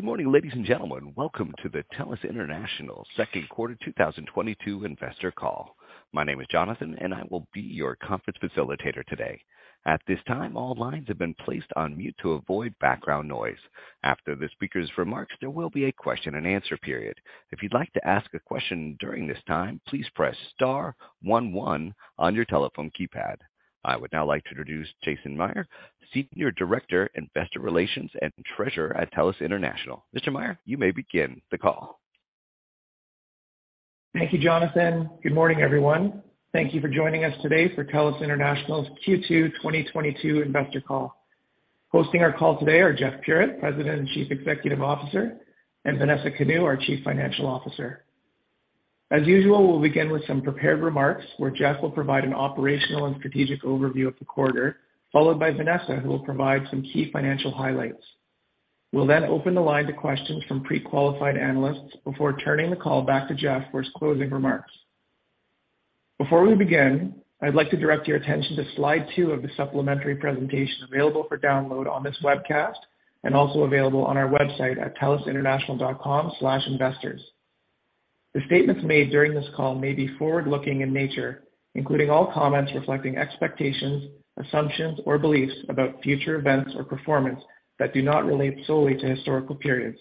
Good morning, ladies and gentlemen. Welcome to the TELUS International second quarter 2022 investor call. My name is Jonathan, and I will be your conference facilitator today. At this time, all lines have been placed on mute to avoid background noise. After the speaker's remarks, there will be a question-and-answer period. If you'd like to ask a question during this time, please press star one one on your telephone keypad. I would now like to introduce Jason Mayr, Senior Director, Investor Relations and Treasurer at TELUS International. Mr. Mayr, you may begin the call. Thank you, Jonathan. Good morning, everyone. Thank you for joining us today for TELUS International's Q2 2022 investor call. Hosting our call today are Jeff Puritt, President and Chief Executive Officer, and Vanessa Kanu, our Chief Financial Officer. As usual, we'll begin with some prepared remarks where Jeff will provide an operational and strategic overview of the quarter, followed by Vanessa, who will provide some key financial highlights. We'll then open the line to questions from pre-qualified analysts before turning the call back to Jeff for his closing remarks. Before we begin, I'd like to direct your attention to slide two of the supplementary presentation available for download on this webcast and also available on our website at telusinternational.com/investors. The statements made during this call may be forward-looking in nature, including all comments reflecting expectations, assumptions, or beliefs about future events or performance that do not relate solely to historical periods.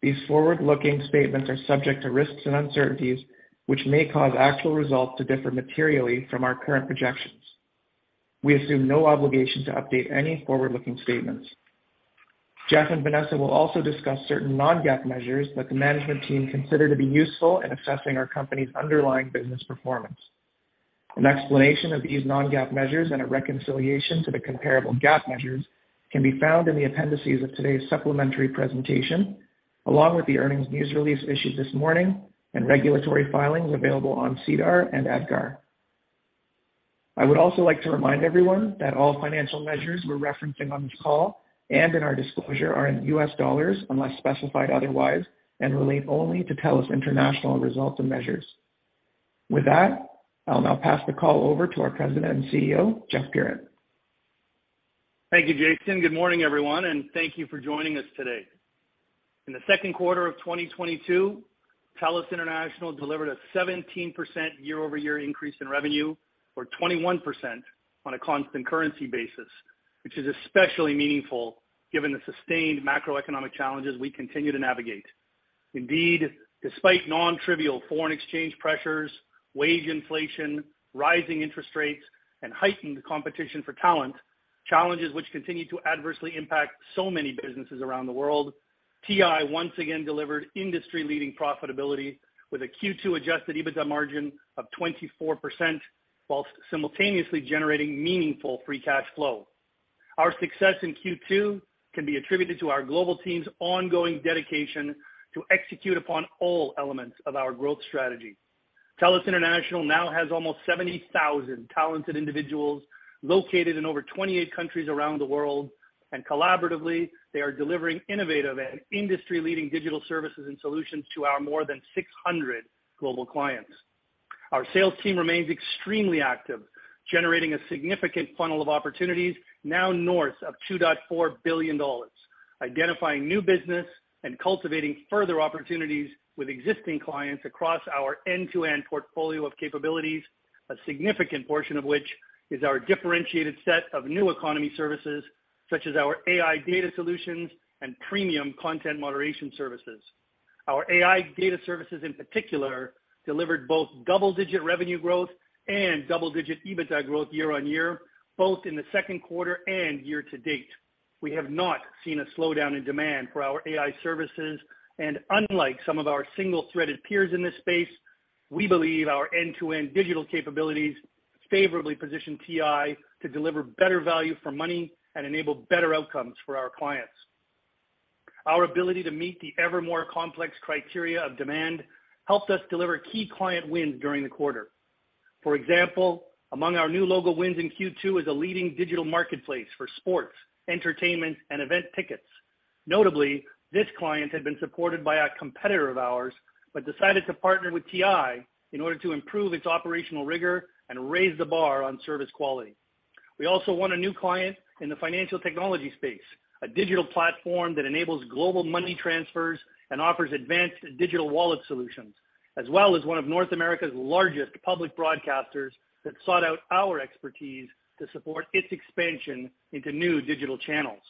These forward-looking statements are subject to risks and uncertainties, which may cause actual results to differ materially from our current projections. We assume no obligation to update any forward-looking statements. Jeff and Vanessa will also discuss certain non-GAAP measures that the management team consider to be useful in assessing our company's underlying business performance. An explanation of these non-GAAP measures and a reconciliation to the comparable GAAP measures can be found in the appendices of today's supplementary presentation, along with the earnings news release issued this morning and regulatory filings available on SEDAR and EDGAR. I would also like to remind everyone that all financial measures we're referencing on this call and in our disclosure are in U.S. dollars, unless specified otherwise, and relate only to TELUS International results and measures. With that, I'll now pass the call over to our President and CEO, Jeff Puritt. Thank you, Jason. Good morning, everyone, and thank you for joining us today. In the second quarter of 2022, TELUS International delivered a 17% year-over-year increase in revenue or 21% on a constant currency basis, which is especially meaningful given the sustained macroeconomic challenges we continue to navigate. Indeed, despite non-trivial foreign exchange pressures, wage inflation, rising interest rates, and heightened competition for talent, challenges which continue to adversely impact so many businesses around the world, TI once again delivered industry-leading profitability with a Q2 Adjusted EBITDA margin of 24%, whilst simultaneously generating meaningful free cash flow. Our success in Q2 can be attributed to our global team's ongoing dedication to execute upon all elements of our growth strategy. TELUS International now has almost 70,000 talented individuals located in over 28 countries around the world, and collaboratively, they are delivering innovative and industry-leading digital services and solutions to our more than 600 global clients. Our sales team remains extremely active, generating a significant funnel of opportunities now north of $2.4 billion, identifying new business and cultivating further opportunities with existing clients across our end-to-end portfolio of capabilities, a significant portion of which is our differentiated set of new economy services, such as our AI Data Solutions and premium content moderation services. Our AI Data Solutions, in particular, delivered both double-digit revenue growth and double-digit EBITDA growth year-over-year, both in the second quarter and year-to-date. We have not seen a slowdown in demand for our AI services, and unlike some of our single-threaded peers in this space, we believe our end-to-end digital capabilities favorably position TI to deliver better value for money and enable better outcomes for our clients. Our ability to meet the ever more complex criteria of demand helped us deliver key client wins during the quarter. For example, among our new logo wins in Q2 is a leading digital marketplace for sports, entertainment, and event tickets. Notably, this client had been supported by a competitor of ours, but decided to partner with TI in order to improve its operational rigor and raise the bar on service quality. We also won a new client in the financial technology space, a digital platform that enables global money transfers and offers advanced digital wallet solutions, as well as one of North America's largest public broadcasters that sought out our expertise to support its expansion into new digital channels.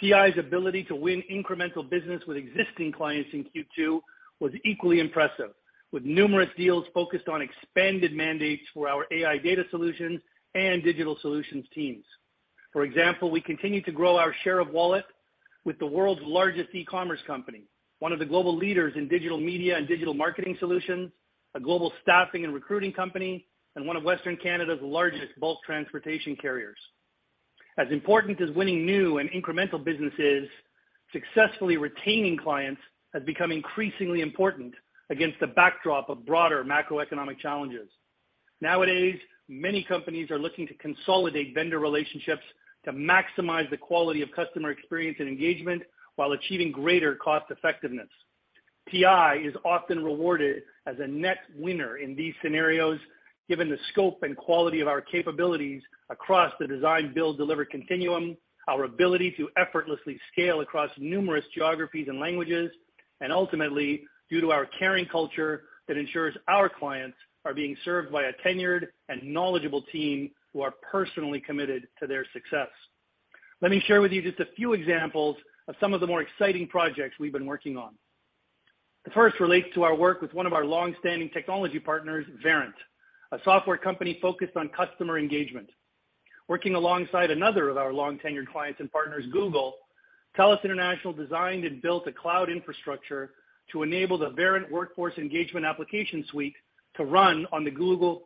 TI's ability to win incremental business with existing clients in Q2 was equally impressive, with numerous deals focused on expanded mandates for our AI Data Solutions and Digital Solutions teams. For example, we continue to grow our share of wallet with the world's largest e-commerce company, one of the global leaders in digital media and digital marketing solutions, a global staffing and recruiting company, and one of Western Canada's largest bulk transportation carriers. As important as winning new and incremental businesses, successfully retaining clients has become increasingly important against the backdrop of broader macroeconomic challenges. Nowadays, many companies are looking to consolidate vendor relationships to maximize the quality of customer experience and engagement while achieving greater cost effectiveness. TI is often rewarded as a net winner in these scenarios, given the scope and quality of our capabilities across the design build deliver continuum, our ability to effortlessly scale across numerous geographies and languages, and ultimately, due to our caring culture that ensures our clients are being served by a tenured and knowledgeable team who are personally committed to their success. Let me share with you just a few examples of some of the more exciting projects we've been working on. The first relates to our work with one of our long-standing technology partners, Verint, a software company focused on customer engagement. Working alongside another of our long-tenured clients and partners, Google, TELUS International designed and built a cloud infrastructure to enable the Verint Workforce Engagement application suite to run on the Google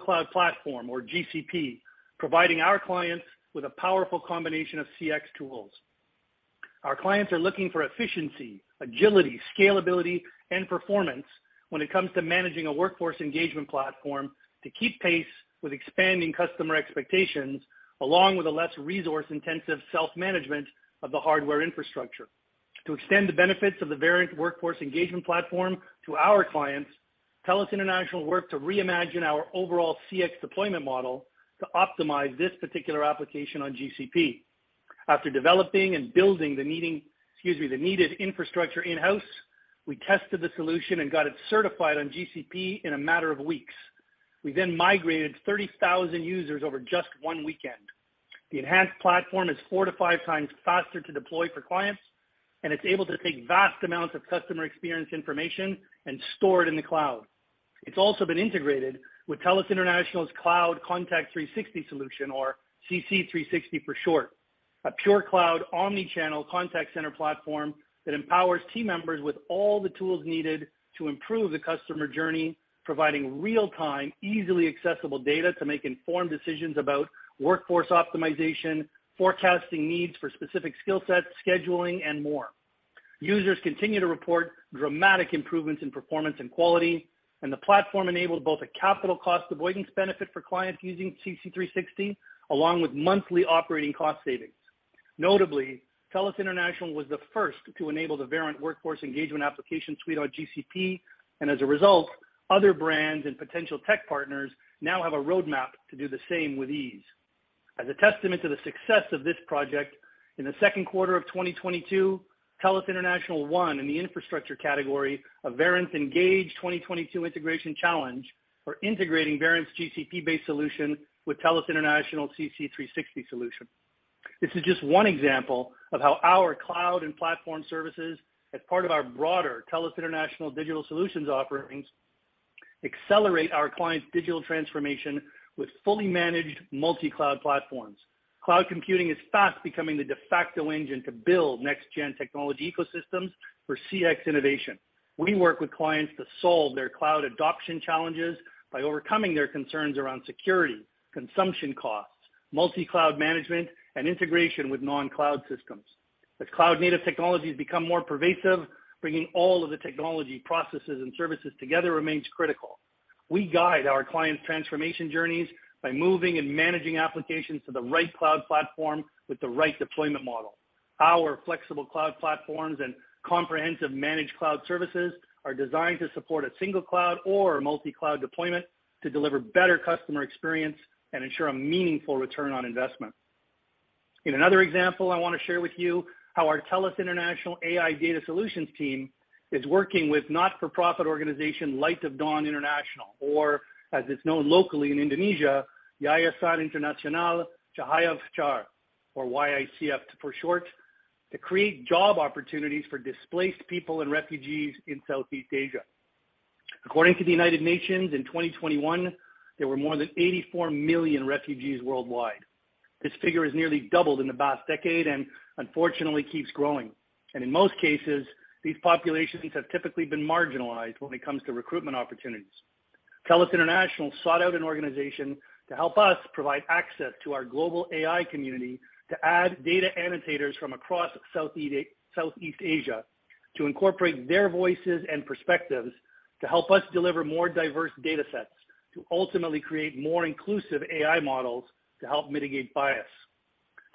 Cloud Platform or GCP, providing our clients with a powerful combination of CX tools. Our clients are looking for efficiency, agility, scalability and performance when it comes to managing a workforce engagement platform to keep pace with expanding customer expectations, along with a less resource-intensive self-management of the hardware infrastructure. To extend the benefits of the Verint Workforce Engagement platform to our clients, TELUS International worked to reimagine our overall CX deployment model to optimize this particular application on GCP. After developing and building the needed infrastructure in-house, we tested the solution and got it certified on GCP in a matter of weeks. We migrated 30,000 users over just one weekend. The enhanced platform is four to five times faster to deploy for clients, and it's able to take vast amounts of customer experience information and store it in the cloud. It's also been integrated with TELUS International's Cloud Contact 360 solution or CC360 for short. A pure-cloud omnichannel contact center platform that empowers team members with all the tools needed to improve the customer journey, providing real-time, easily accessible data to make informed decisions about workforce optimization, forecasting needs for specific skill sets, scheduling and more. Users continue to report dramatic improvements in performance and quality, and the platform enabled both a capital cost avoidance benefit for clients using CC360, along with monthly operating cost savings. Notably, TELUS International was the first to enable the Verint Workforce Engagement application suite on GCP, and as a result, other brands and potential tech partners now have a roadmap to do the same with ease. As a testament to the success of this project, in the second quarter of 2022, TELUS International won in the infrastructure category of Verint Engage 2022 Integration Challenge for integrating Verint's GCP-based solution with TELUS International CC360 solution. This is just one example of how our cloud and platform services, as part of our broader TELUS International Digital Solutions offerings, accelerate our clients' digital transformation with fully managed multi-cloud platforms. Cloud computing is fast becoming the de facto engine to build next-gen technology ecosystems for CX innovation. We work with clients to solve their cloud adoption challenges by overcoming their concerns around security, consumption costs, multi-cloud management, and integration with non-cloud systems. As cloud-native technologies become more pervasive, bringing all of the technology, processes and services together remains critical. We guide our clients' transformation journeys by moving and managing applications to the right cloud platform with the right deployment model. Our flexible cloud platforms and comprehensive managed cloud services are designed to support a single cloud or multi-cloud deployment to deliver better customer experience and ensure a meaningful return on investment. In another example, I want to share with you how our TELUS International AI Data Solutions team is working with not-for-profit organization, Light of Dawn International, or as it's known locally in Indonesia, Yayasan Internasional Cahaya Fajar, or YICF for short, to create job opportunities for displaced people and refugees in Southeast Asia. According to the United Nations, in 2021, there were more than 84 million refugees worldwide. This figure has nearly doubled in the past decade and unfortunately keeps growing. In most cases, these populations have typically been marginalized when it comes to recruitment opportunities. TELUS International sought out an organization to help us provide access to our global AI community to add data annotators from across Southeast Asia to incorporate their voices and perspectives to help us deliver more diverse datasets, to ultimately create more inclusive AI models to help mitigate bias.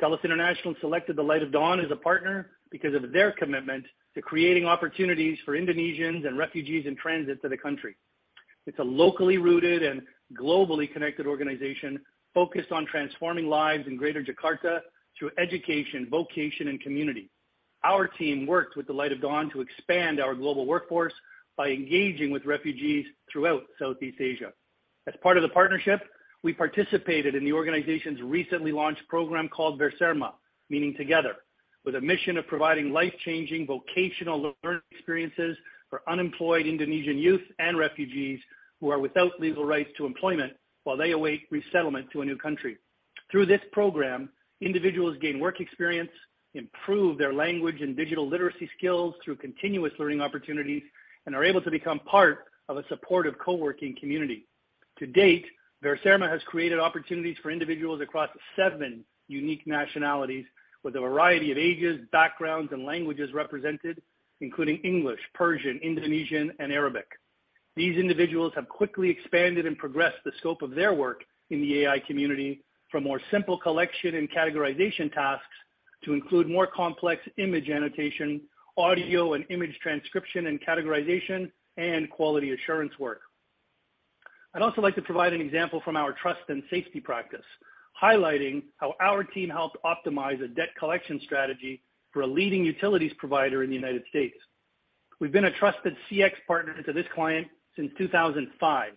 TELUS International selected the Light of Dawn as a partner because of their commitment to creating opportunities for Indonesians and refugees in transit to the country. It's a locally rooted and globally connected organization focused on transforming lives in Greater Jakarta through education, vocation and community. Our team worked with Light of Dawn International to expand our global workforce by engaging with refugees throughout Southeast Asia. As part of the partnership, we participated in the organization's recently launched program called Bersama, meaning together, with a mission of providing life-changing vocational learning experiences for unemployed Indonesian youth and refugees who are without legal rights to employment while they await resettlement to a new country. Through this program, individuals gain work experience, improve their language and digital literacy skills through continuous learning opportunities, and are able to become part of a supportive coworking community. To date, Bersama has created opportunities for individuals across seven unique nationalities with a variety of ages, backgrounds and languages represented, including English, Persian, Indonesian and Arabic. These individuals have quickly expanded and progressed the scope of their work in the AI community from more simple collection and categorization tasks to include more complex image annotation, audio and image transcription and categorization, and quality assurance work. I'd also like to provide an example from our trust and safety practice, highlighting how our team helped optimize a debt collection strategy for a leading utilities provider in the United States. We've been a trusted CX partner to this client since 2005,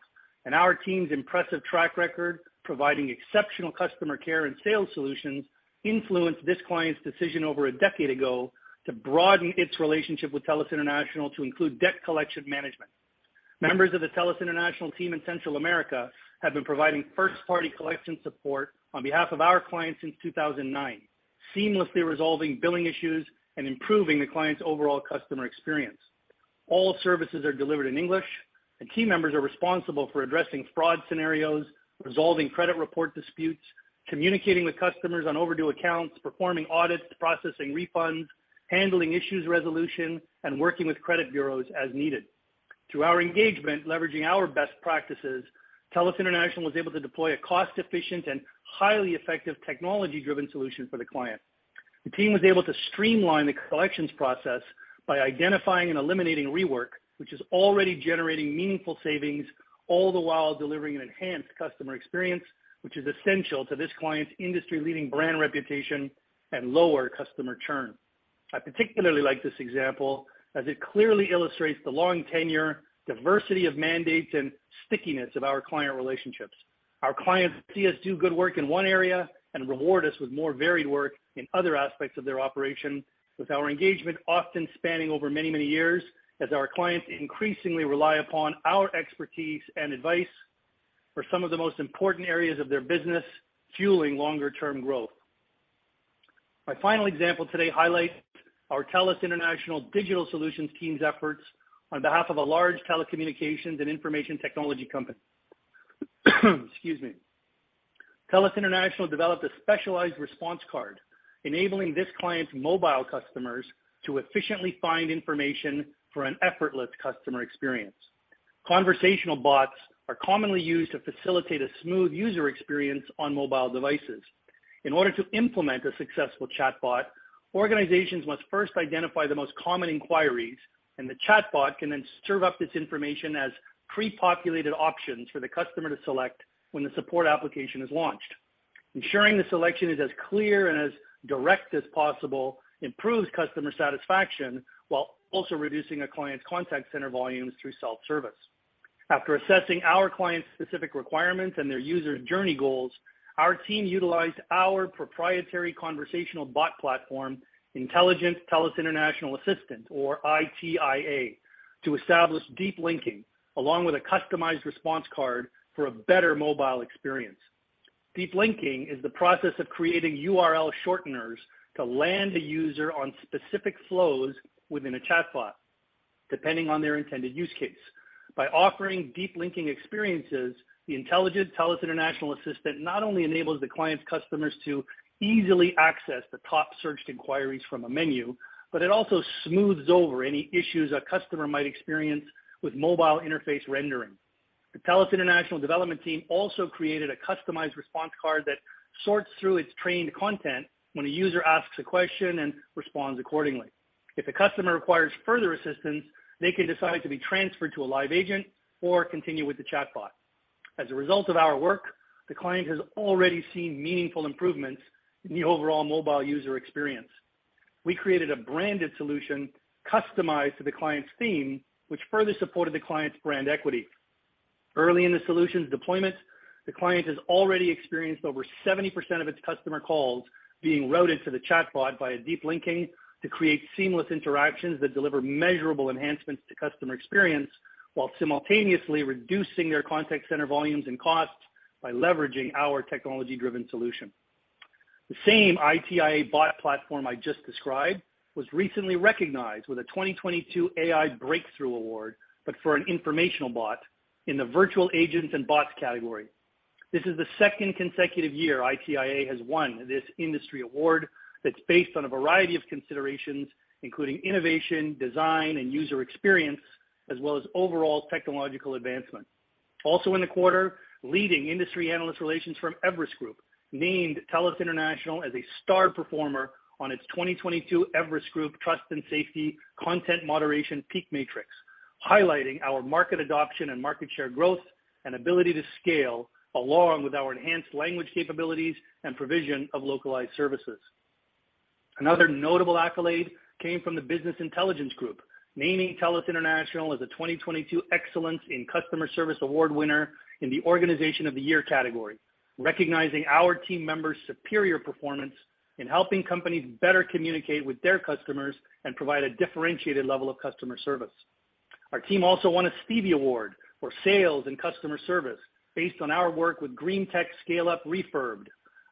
and our team's impressive track record providing exceptional customer care and sales solutions influenced this client's decision over a decade ago to broaden its relationship with TELUS International to include debt collection management. Members of the TELUS International team in Central America have been providing first-party collection support on behalf of our clients since 2009, seamlessly resolving billing issues and improving the client's overall customer experience. All services are delivered in English, and team members are responsible for addressing fraud scenarios, resolving credit report disputes, communicating with customers on overdue accounts, performing audits, processing refunds, handling issues resolution, and working with credit bureaus as needed. Through our engagement, leveraging our best practices, TELUS International was able to deploy a cost-efficient and highly effective technology-driven solution for the client. The team was able to streamline the collections process by identifying and eliminating rework, which is already generating meaningful savings, all the while delivering an enhanced customer experience, which is essential to this client's industry-leading brand reputation and lower customer churn. I particularly like this example as it clearly illustrates the long tenure, diversity of mandates, and stickiness of our client relationships. Our clients see us do good work in one area and reward us with more varied work in other aspects of their operation, with our engagement often spanning over many, many years as our clients increasingly rely upon our expertise and advice for some of the most important areas of their business, fueling longer-term growth. My final example today highlights our TELUS International Digital Solutions team's efforts on behalf of a large telecommunications and information technology company. Excuse me. TELUS International developed a specialized response card enabling this client's mobile customers to efficiently find information for an effortless customer experience. Conversational bots are commonly used to facilitate a smooth user experience on mobile devices. In order to implement a successful chatbot, organizations must first identify the most common inquiries, and the chatbot can then serve up this information as pre-populated options for the customer to select when the support application is launched. Ensuring the selection is as clear and as direct as possible improves customer satisfaction while also reducing a client's contact center volumes through self-service. After assessing our client's specific requirements and their user's journey goals, our team utilized our proprietary conversational bot platform, intelligent TELUS International Assistant or iTIA, to establish deep linking along with a customized response card for a better mobile experience. Deep linking is the process of creating URL shorteners to land a user on specific flows within a chatbot, depending on their intended use case. By offering deep linking experiences, the intelligent TELUS International Assistant not only enables the client's customers to easily access the top searched inquiries from a menu, but it also smooths over any issues a customer might experience with mobile interface rendering. The TELUS International development team also created a customized response card that sorts through its trained content when a user asks a question and responds accordingly. If the customer requires further assistance, they can decide to be transferred to a live agent or continue with the chatbot. As a result of our work, the client has already seen meaningful improvements in the overall mobile user experience. We created a branded solution customized to the client's theme, which further supported the client's brand equity. Early in the solution's deployment, the client has already experienced over 70% of its customer calls being routed to the chatbot via deep linking to create seamless interactions that deliver measurable enhancements to customer experience while simultaneously reducing their contact center volumes and costs by leveraging our technology-driven solution. The same iTIA bot platform I just described was recently recognized with a 2022 AI Breakthrough Award in the informational bot in the virtual agents and bots category. This is the second consecutive year iTIA has won this industry award that's based on a variety of considerations, including innovation, design, and user experience, as well as overall technological advancement. Also in the quarter, leading industry analyst relations from Everest Group named TELUS International as a 'Star Performer' on its 2022 Everest Group Trust and Safety Content Moderation PEAK Matrix, highlighting our market adoption and market share growth and ability to scale along with our enhanced language capabilities and provision of localized services. Another notable accolade came from the Business Intelligence Group, naming TELUS International as a 2022 Excellence in Customer Service Award winner in the organization of the year category, recognizing our team members' superior performance in helping companies better communicate with their customers and provide a differentiated level of customer service. Our team also won a Stevie Award for Sales & Customer Service based on our work with Green Tech Scale-Up refurbed.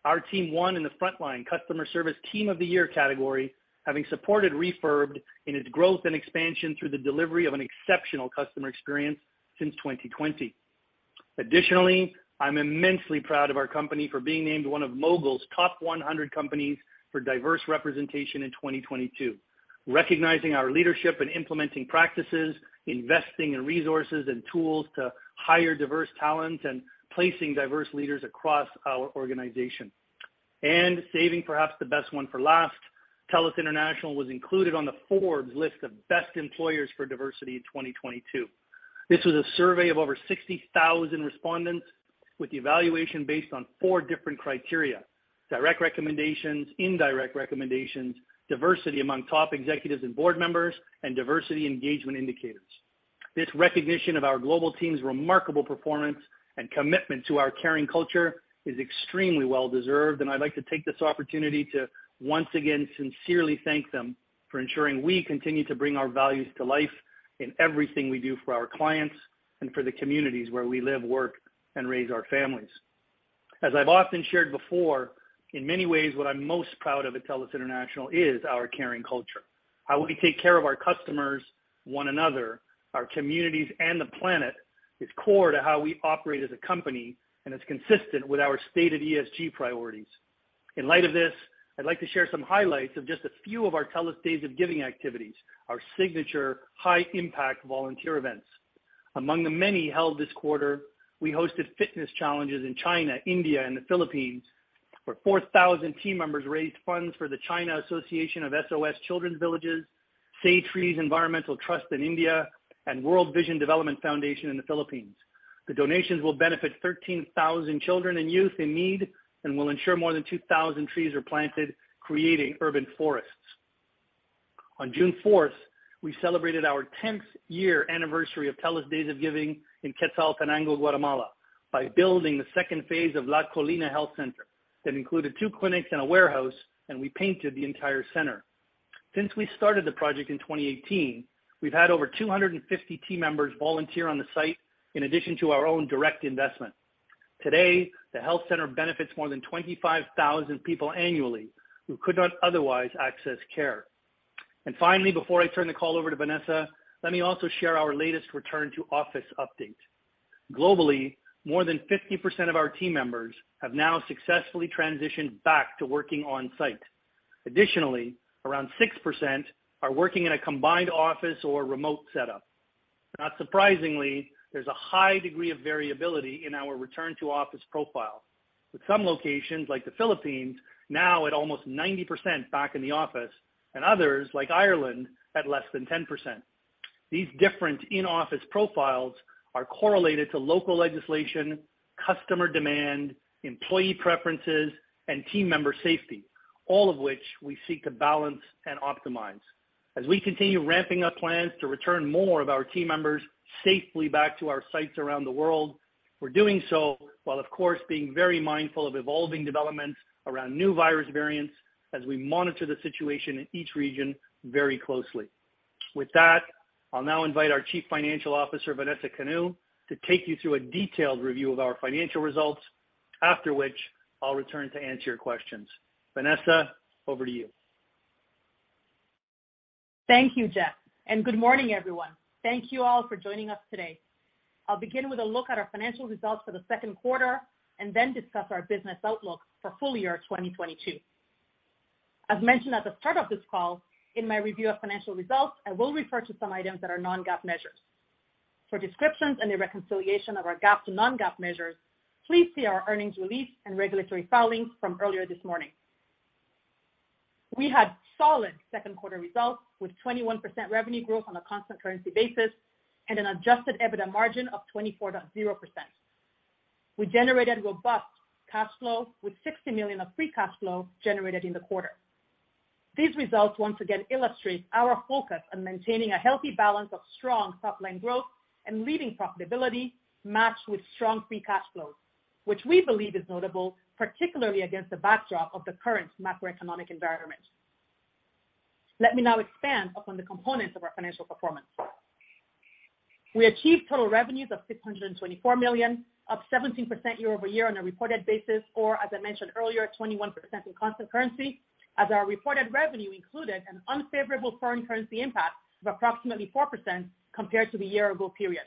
Our team won in the frontline customer service team of the year category, having supported refurbed in its growth and expansion through the delivery of an exceptional customer experience since 2020. Additionally, I'm immensely proud of our company for being named one of Mogul's Top 100 Companies for Diverse Representation in 2022, recognizing our leadership in implementing practices, investing in resources and tools to hire diverse talent, and placing diverse leaders across our organization. Saving perhaps the best one for last, TELUS International was included on the Forbes list of Best Employers for Diversity in 2022. This was a survey of over 60,000 respondents with the evaluation based on four different criteria, direct recommendations, indirect recommendations, diversity among top executives and board members, and diversity engagement indicators. This recognition of our global team's remarkable performance and commitment to our caring culture is extremely well-deserved, and I'd like to take this opportunity to once again sincerely thank them for ensuring we continue to bring our values to life in everything we do for our clients and for the communities where we live, work, and raise our families. As I've often shared before, in many ways, what I'm most proud of at TELUS International is our caring culture. How we take care of our customers, one another, our communities, and the planet is core to how we operate as a company, and it's consistent with our stated ESG priorities. In light of this, I'd like to share some highlights of just a few of our TELUS Days of Giving activities, our signature high-impact volunteer events. Among the many held this quarter, we hosted fitness challenges in China, India, and the Philippines, where 4,000 team members raised funds for China Association of SOS Children's Villages in China, SayTrees Environmental Trust in India, and World Vision Development Foundation, Inc. in the Philippines. The donations will benefit 13,000 children and youth in need and will ensure more than 2,000 trees are planted, creating urban forests. On June 4th, we celebrated our 10th-year anniversary of TELUS Days of Giving in Quetzaltenango, Guatemala, by building the second phase of La Colina Health Center. That included two clinics and a warehouse, and we painted the entire center. Since we started the project in 2018, we've had over 250 team members volunteer on the site in addition to our own direct investment. Today, the health center benefits more than 25,000 people annually who could not otherwise access care. Finally, before I turn the call over to Vanessa, let me also share our latest return to office update. Globally, more than 50% of our team members have now successfully transitioned back to working on-site. Additionally, around 6% are working in a combined office or remote setup. Not surprisingly, there's a high degree of variability in our return to office profile, with some locations, like the Philippines, now at almost 90% back in the office and others, like Ireland, at less than 10%. These different in-office profiles are correlated to local legislation, customer demand, employee preferences, and team member safety, all of which we seek to balance and optimize. As we continue ramping up plans to return more of our team members safely back to our sites around the world, we're doing so while, of course, being very mindful of evolving developments around new virus variants as we monitor the situation in each region very closely. With that, I'll now invite our Chief Financial Officer, Vanessa Kanu, to take you through a detailed review of our financial results, after which I'll return to answer your questions. Vanessa, over to you. Thank you, Jeff, and good morning, everyone. Thank you all for joining us today. I'll begin with a look at our financial results for the second quarter and then discuss our business outlook for full year 2022. As mentioned at the start of this call, in my review of financial results, I will refer to some items that are non-GAAP measures. For descriptions and a reconciliation of our GAAP to non-GAAP measures, please see our earnings release and regulatory filings from earlier this morning. We had solid second quarter results with 21% revenue growth on a constant currency basis and an Adjusted EBITDA margin of 24.0%. We generated robust cash flow with $60 million of free cash flow generated in the quarter. These results once again illustrate our focus on maintaining a healthy balance of strong top-line growth and leading profitability matched with strong free cash flows, which we believe is notable, particularly against the backdrop of the current macroeconomic environment. Let me now expand upon the components of our financial performance. We achieved total revenues of $624 million, up 17% year-over-year on a reported basis, or as I mentioned earlier, 21% in constant currency, as our reported revenue included an unfavorable foreign currency impact of approximately 4% compared to the year-ago period,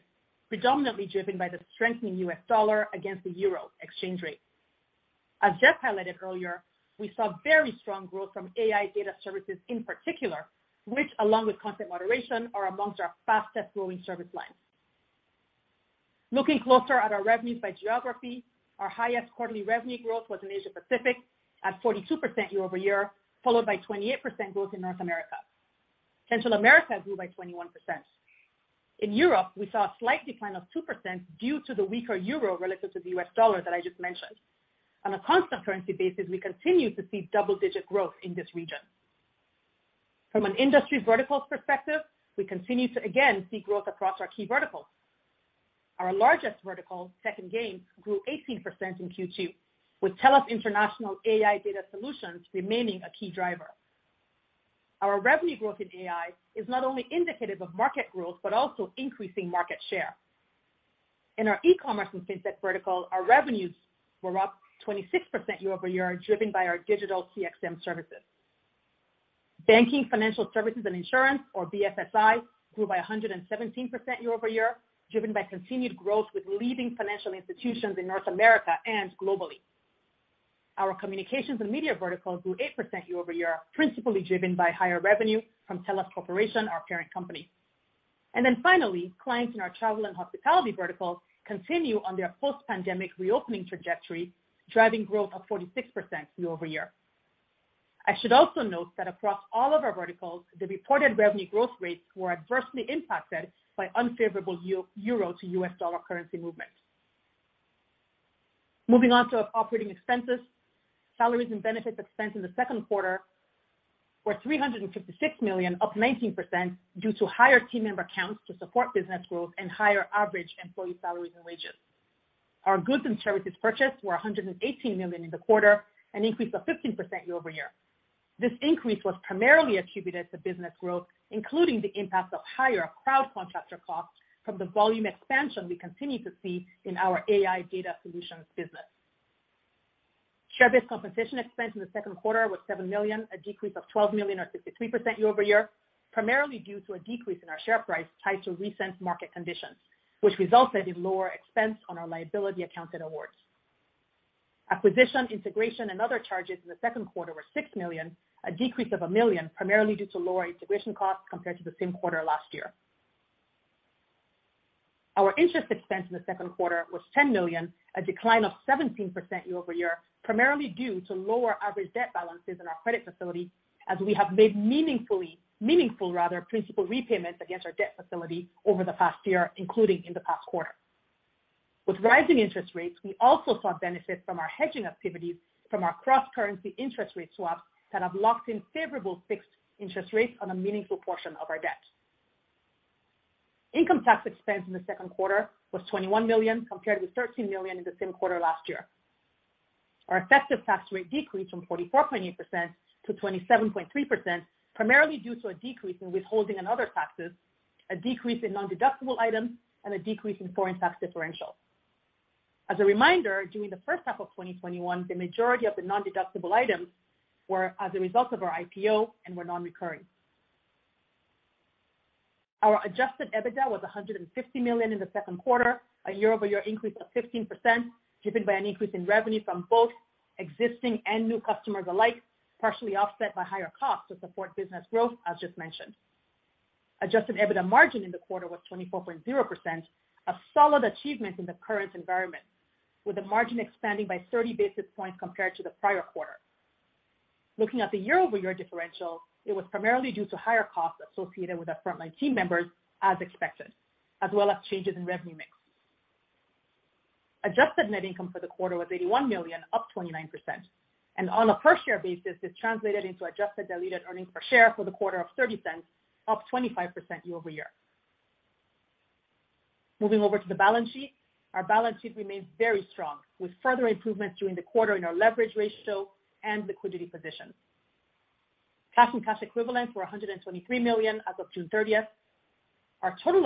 predominantly driven by the strengthening U.S. dollar against the euro exchange rate. As Jeff highlighted earlier, we saw very strong growth from AI data services in particular, which along with content moderation, are amongst our fastest-growing service lines. Looking closer at our revenues by geography, our highest quarterly revenue growth was in Asia Pacific at 42% year-over-year, followed by 28% growth in North America. Central America grew by 21%. In Europe, we saw a slight decline of 2% due to the weaker euro relative to the U.S. dollar that I just mentioned. On a constant currency basis, we continue to see double-digit growth in this region. From an industry verticals perspective, we continue to again see growth across our key verticals. Our largest vertical, tech and games, grew 18% in Q2, with TELUS International AI Data Solutions remaining a key driver. Our revenue growth in AI is not only indicative of market growth, but also increasing market share. In our e-commerce and fintech vertical, our revenues were up 26% year-over-year, driven by our digital CXM services. Banking, financial services, and insurance, or BFSI, grew by 117% year-over-year, driven by continued growth with leading financial institutions in North America and globally. Our communications and media vertical grew 8% year-over-year, principally driven by higher revenue from TELUS Corporation, our parent company. Finally, clients in our travel and hospitality vertical continue on their post-pandemic reopening trajectory, driving growth of 46% year-over-year. I should also note that across all of our verticals, the reported revenue growth rates were adversely impacted by unfavorable euro to US dollar currency movement. Moving on to our operating expenses. Salaries and benefits expense in the second quarter were $356 million, up 19% due to higher team member counts to support business growth and higher average employee salaries and wages. Our goods and services purchased were $118 million in the quarter, an increase of 15% year-over-year. This increase was primarily attributed to business growth, including the impact of higher crowd contractor costs from the volume expansion we continue to see in our AI Data Solutions business. Share-based compensation expense in the second quarter was $7 million, a decrease of $12 million or 53% year-over-year, primarily due to a decrease in our share price tied to recent market conditions, which resulted in lower expense on our liability accounts and awards. Acquisition, integration, and other charges in the second quarter were $6 million, a decrease of $1 million, primarily due to lower integration costs compared to the same quarter last year. Our interest expense in the second quarter was $10 million, a decline of 17% year-over-year, primarily due to lower average debt balances in our credit facility, as we have made meaningful principal repayments against our debt facility over the past year, including in the past quarter. With rising interest rates, we also saw benefits from our hedging activities from our cross-currency interest rate swaps that have locked in favorable fixed interest rates on a meaningful portion of our debt. Income tax expense in the second quarter was $21 million, compared with $13 million in the same quarter last year. Our effective tax rate decreased from 44.8% to 27.3%, primarily due to a decrease in withholding and other taxes, a decrease in nondeductible items, and a decrease in foreign tax differential. As a reminder, during the first half of 2021, the majority of the nondeductible items were as a result of our IPO and were non-recurring. Our Adjusted EBITDA was $150 million in the second quarter, a year-over-year increase of 15%, driven by an increase in revenue from both existing and new customers alike, partially offset by higher costs to support business growth, as just mentioned. Adjusted EBITDA margin in the quarter was 24.0%, a solid achievement in the current environment, with the margin expanding by 30 basis points compared to the prior quarter. Looking at the year-over-year differential, it was primarily due to higher costs associated with our frontline team members, as expected, as well as changes in revenue mix. Adjusted net income for the quarter was $81 million, up 29%. On a per share basis, this translated into adjusted diluted earnings per share for the quarter of $0.30, up 25% year over year. Moving over to the balance sheet. Our balance sheet remains very strong, with further improvements during the quarter in our leverage ratio and liquidity position. Cash and cash equivalents were $123 million as of June 30. Our total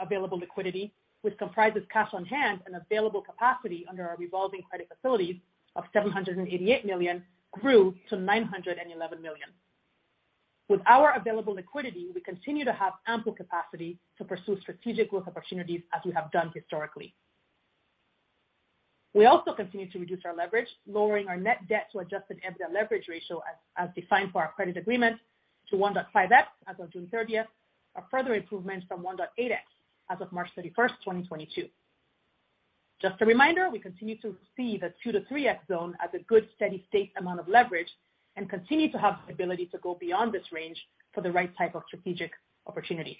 available liquidity, which comprises cash on hand and available capacity under our revolving credit facility of $788 million, grew to $911 million. With our available liquidity, we continue to have ample capacity to pursue strategic growth opportunities as we have done historically. We also continue to reduce our leverage, lowering our net debt to Adjusted EBITDA leverage ratio as defined for our credit agreement to 1.5x as of June 30th. A further improvement from 1.8x as of March 31st, 2022. Just a reminder, we continue to see the 2x-3x zone as a good steady state amount of leverage and continue to have the ability to go beyond this range for the right type of strategic opportunity.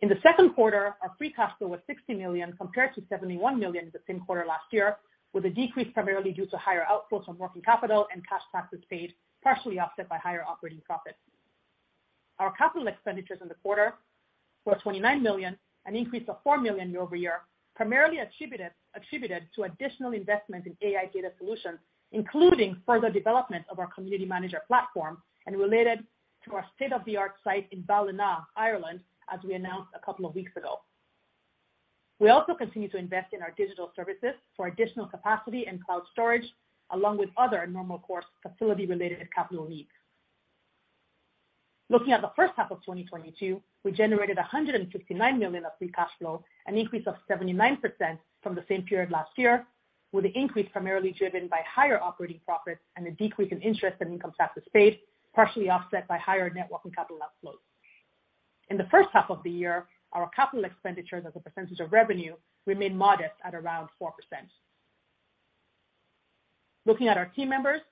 In the second quarter, our free cash flow was $60 million, compared to $71 million in the same quarter last year, with a decrease primarily due to higher outflows on working capital and cash taxes paid, partially offset by higher operating profits. Our capital expenditures in the quarter were $29 million, an increase of $4 million year-over-year, primarily attributed to additional investment in AI Data Solutions, including further development of our community manager platform and related to our state-of-the-art site in Ballina, Ireland, as we announced a couple of weeks ago. We also continue to invest in our digital services for additional capacity and cloud storage, along with other normal course facility related capital needs. Looking at the first half of 2022, we generated $159 million of free cash flow, an increase of 79% from the same period last year, with the increase primarily driven by higher operating profits and a decrease in interest and income taxes paid, partially offset by higher net working capital outflows. In the first half of the year, our capital expenditures as a percentage of revenue remained modest at around 4%. Looking at our team members,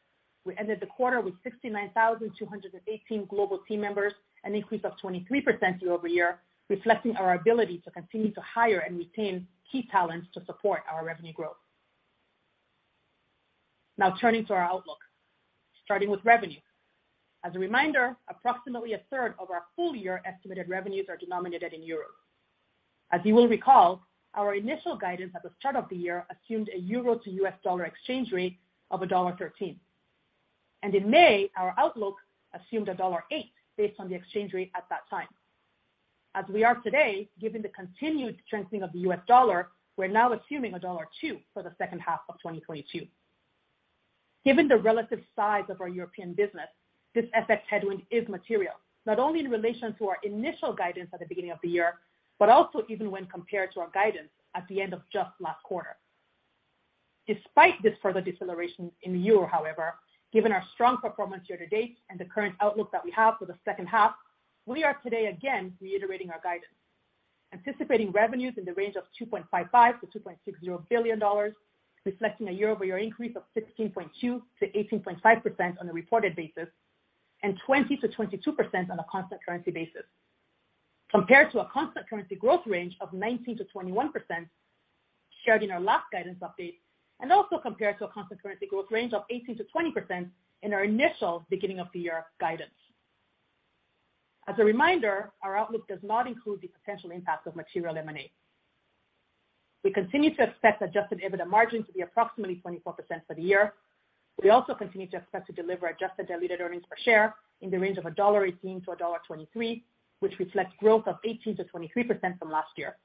we ended the quarter with 69,218 global team members, an increase of 23% year-over-year, reflecting our ability to continue to hire and retain key talents to support our revenue growth. Now turning to our outlook, starting with revenue. As a reminder, approximately a third of our full year estimated revenues are denominated in Europe. As you will recall, our initial guidance at the start of the year assumed a euro to U.S. dollar exchange rate of $1.13. In May, our outlook assumed $1.08 based on the exchange rate at that time. As we are today, given the continued strengthening of the U.S. dollar, we're now assuming $1.02 for the second half of 2022. Given the relative size of our European business, this FX headwind is material, not only in relation to our initial guidance at the beginning of the year, but also even when compared to our guidance at the end of just last quarter. Despite this further deceleration in the euro, however, given our strong performance year-to-date and the current outlook that we have for the second half, we are today again reiterating our guidance. Anticipating revenues in the range of $2.55 billion-$2.60 billion, reflecting a year-over-year increase of 16.2%-18.5% on a reported basis, and 20%-22% on a constant currency basis. Compared to a constant currency growth range of 19%-21% shared in our last guidance update, and also compared to a constant currency growth range of 18%-20% in our initial beginning of the year guidance. As a reminder, our outlook does not include the potential impact of Material M&A. We continue to expect Adjusted EBITDA margin to be approximately 24% for the year. We also continue to expect to deliver adjusted diluted earnings per share in the range of $1.18-$1.23, which reflects growth of 18%-23% from last year.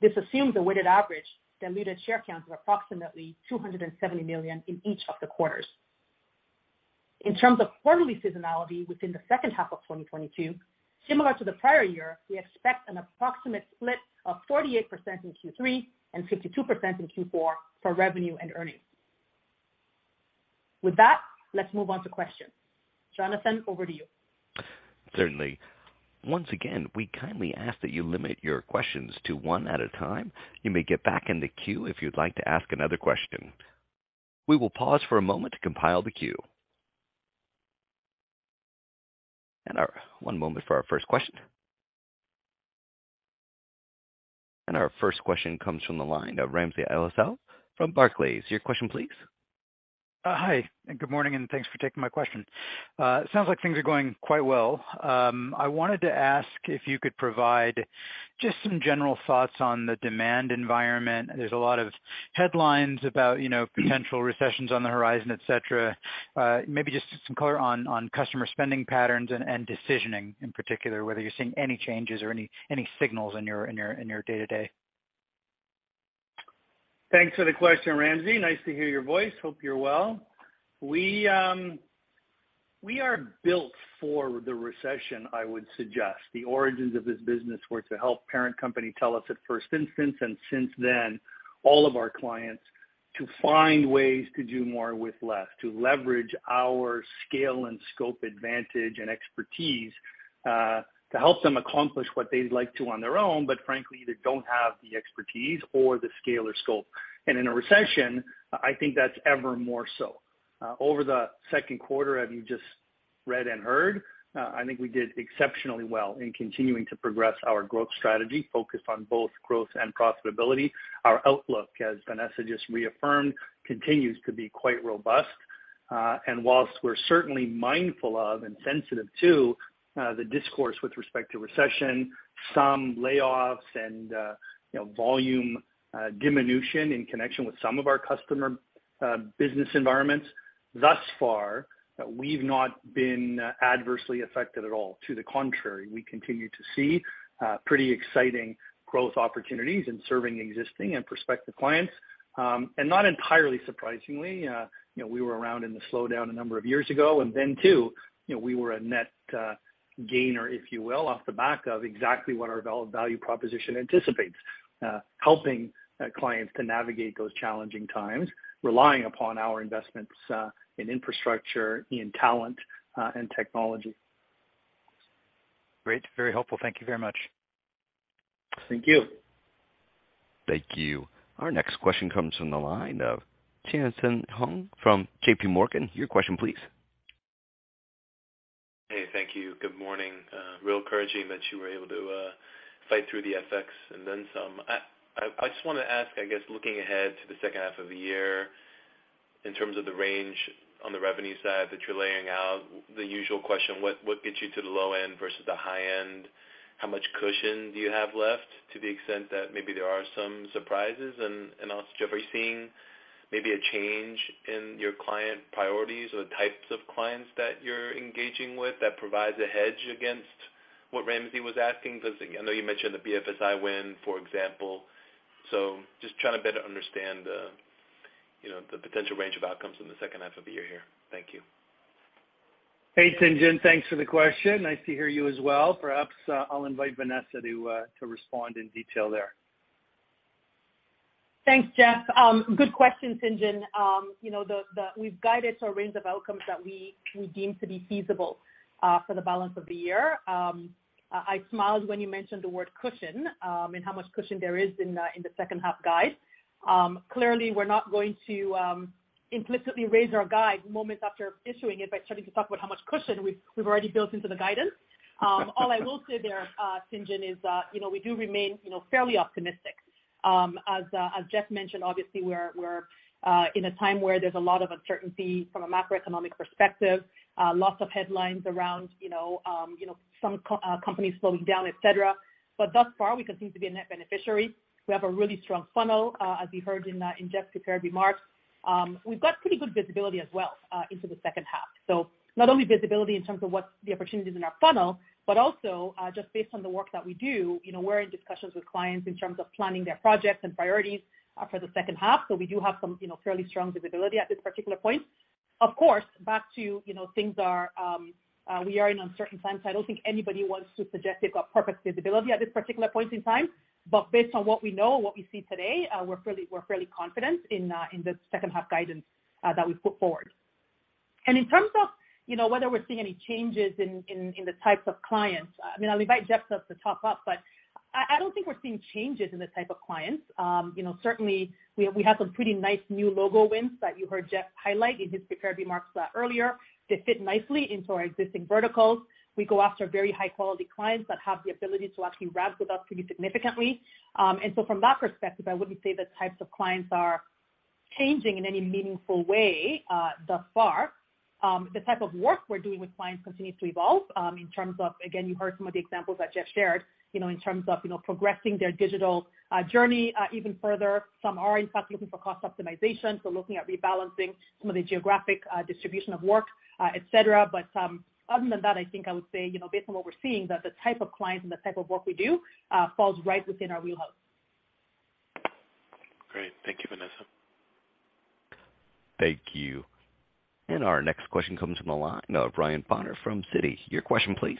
This assumes a weighted average diluted share count of approximately $270 million in each of the quarters. In terms of quarterly seasonality within the second half of 2022, similar to the prior year, we expect an approximate split of 48% in Q3 and 52% in Q4 for revenue and earnings. With that, let's move on to questions. Jonathan, over to you. Certainly. Once again, we kindly ask that you limit your questions to one at a time. You may get back in the queue if you'd like to ask another question. We will pause for a moment to compile the queue. One moment for our first question. Our first question comes from the line of Ramsey El-Assal from Barclays. Your question, please. Hi, and good morning, and thanks for taking my question. It sounds like things are going quite well. I wanted to ask if you could provide just some general thoughts on the demand environment. There's a lot of headlines about, you know, potential recessions on the horizon, et cetera. Maybe just some color on customer spending patterns and decisioning in particular, whether you're seeing any changes or any signals in your day to day. Thanks for the question, Ramsey. Nice to hear your voice. Hope you're well. We are built for the recession, I would suggest. The origins of this business were to help parent company TELUS at first instance, and since then, all of our clients to find ways to do more with less, to leverage our scale and scope advantage and expertise, to help them accomplish what they'd like to on their own, but frankly, either don't have the expertise or the scale or scope. In a recession, I think that's ever more so. Over the second quarter, as you just read and heard, I think we did exceptionally well in continuing to progress our growth strategy focused on both growth and profitability. Our outlook, as Vanessa just reaffirmed, continues to be quite robust. While we're certainly mindful of and sensitive to the discourse with respect to recession, some layoffs and, you know, volume diminution in connection with some of our customer business environments, thus far, we've not been adversely affected at all. To the contrary, we continue to see pretty exciting growth opportunities in serving existing and prospective clients. Not entirely surprisingly, you know, we were around in the slowdown a number of years ago, and then too, you know, we were a net gainer, if you will, off the back of exactly what our value proposition anticipates. Helping clients to navigate those challenging times, relying upon our investments in infrastructure, in talent and technology. Great. Very helpful. Thank you very much. Thank you. Thank you. Our next question comes from the line of Tien-Tsin Huang from JPMorgan. Your question, please. Hey, thank you. Good morning. Real encouraging that you were able to fight through the FX and then some. I just wanna ask, I guess, looking ahead to the second half of the year in terms of the range on the revenue side that you're laying out, the usual question, what gets you to the low end versus the high end? How much cushion do you have left to the extent that maybe there are some surprises? And also, Jeff, are you seeing maybe a change in your client priorities or the types of clients that you're engaging with that provides a hedge against what Ramsey was asking? Because I know you mentioned the BFSI win, for example. So just trying to better understand, you know, the potential range of outcomes in the second half of the year here. Thank you. Hey, Tien-Tsin. Thanks for the question. Nice to hear you as well. Perhaps, I'll invite Vanessa to respond in detail there. Thanks, Jeff. Good question, Tien-Tsin. We've guided to a range of outcomes that we deem to be feasible for the balance of the year. I smiled when you mentioned the word cushion and how much cushion there is in the second half guide. Clearly, we're not going to implicitly raise our guide moments after issuing it by starting to talk about how much cushion we've already built into the guidance. All I will say there, Tien-Tsin, is you know, we do remain you know, fairly optimistic. As Jeff mentioned, obviously we're in a time where there's a lot of uncertainty from a macroeconomic perspective, lots of headlines around, you know, some companies slowing down, et cetera. Thus far, we continue to be a net beneficiary. We have a really strong funnel, as you heard in Jeff's prepared remarks. We've got pretty good visibility as well, into the second half. Not only visibility in terms of what the opportunities in our funnel, but also, just based on the work that we do, you know, we're in discussions with clients in terms of planning their projects and priorities, for the second half. We do have some, you know, fairly strong visibility at this particular point. Of course, back to, you know, things are, we are in uncertain times, so I don't think anybody wants to suggest they've got perfect visibility at this particular point in time. Based on what we know and what we see today, we're fairly confident in the second half guidance that we've put forward. In terms of, you know, whether we're seeing any changes in the types of clients, I mean, I'll invite Jeff to talk about, but I don't think we're seeing changes in the type of clients. You know, certainly we have some pretty nice new logo wins that you heard Jeff highlight in his prepared remarks earlier. They fit nicely into our existing verticals. We go after very high quality clients that have the ability to actually rev with us pretty significantly. From that perspective, I wouldn't say the types of clients are changing in any meaningful way thus far. The type of work we're doing with clients continues to evolve, in terms of, again, you heard some of the examples that Jeff shared, you know, in terms of, you know, progressing their digital journey, even further. Some are in fact looking for cost optimization, so looking at rebalancing some of the geographic distribution of work, et cetera. Other than that, I think I would say, you know, based on what we're seeing, that the type of clients and the type of work we do falls right within our wheelhouse. Great. Thank you, Vanessa. Thank you. Our next question comes from the line of Ryan Potter from Citi. Your question please.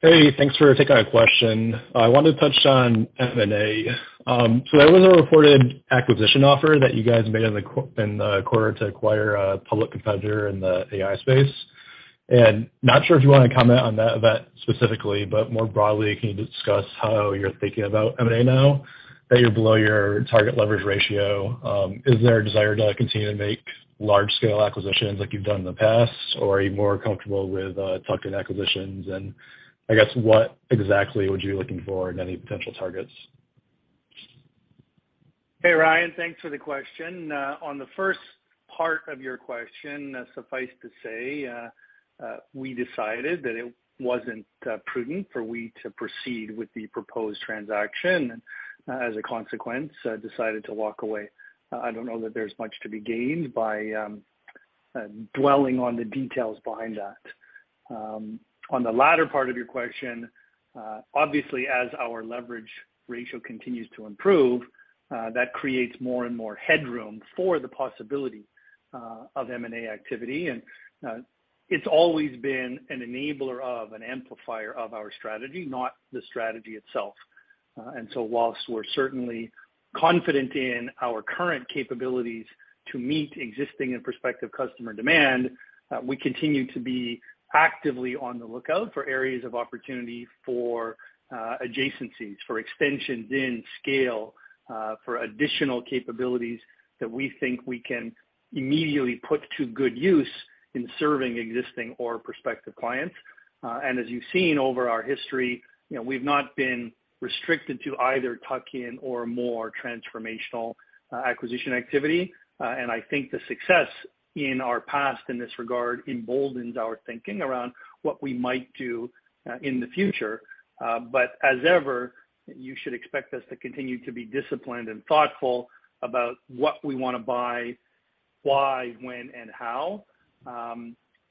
Hey, thanks for taking my question. I wanted to touch on M&A. There was a reported acquisition offer that you guys made in the quarter to acquire a public competitor in the AI space. Not sure if you wanna comment on that event specifically, but more broadly, can you discuss how you're thinking about M&A now that you're below your target leverage ratio? Is there a desire to continue to make large scale acquisitions like you've done in the past, or are you more comfortable with tuck-in acquisitions? I guess, what exactly would you be looking for in any potential targets? Hey, Ryan. Thanks for the question. On the first part of your question, suffice to say, we decided that it wasn't prudent for we to proceed with the proposed transaction, and as a consequence, decided to walk away. I don't know that there's much to be gained by dwelling on the details behind that. On the latter part of your question, obviously, as our leverage ratio continues to improve, that creates more and more headroom for the possibility of M&A activity. It's always been an enabler of, an amplifier of our strategy, not the strategy itself. While we're certainly confident in our current capabilities to meet existing and prospective customer demand, we continue to be actively on the lookout for areas of opportunity for adjacencies, for extensions in scale, for additional capabilities that we think we can immediately put to good use in serving existing or prospective clients. As you've seen over our history, you know, we've not been restricted to either tuck-in or more transformational acquisition activity. I think the success in our past in this regard emboldens our thinking around what we might do in the future. As ever, you should expect us to continue to be disciplined and thoughtful about what we wanna buy, why, when, and how.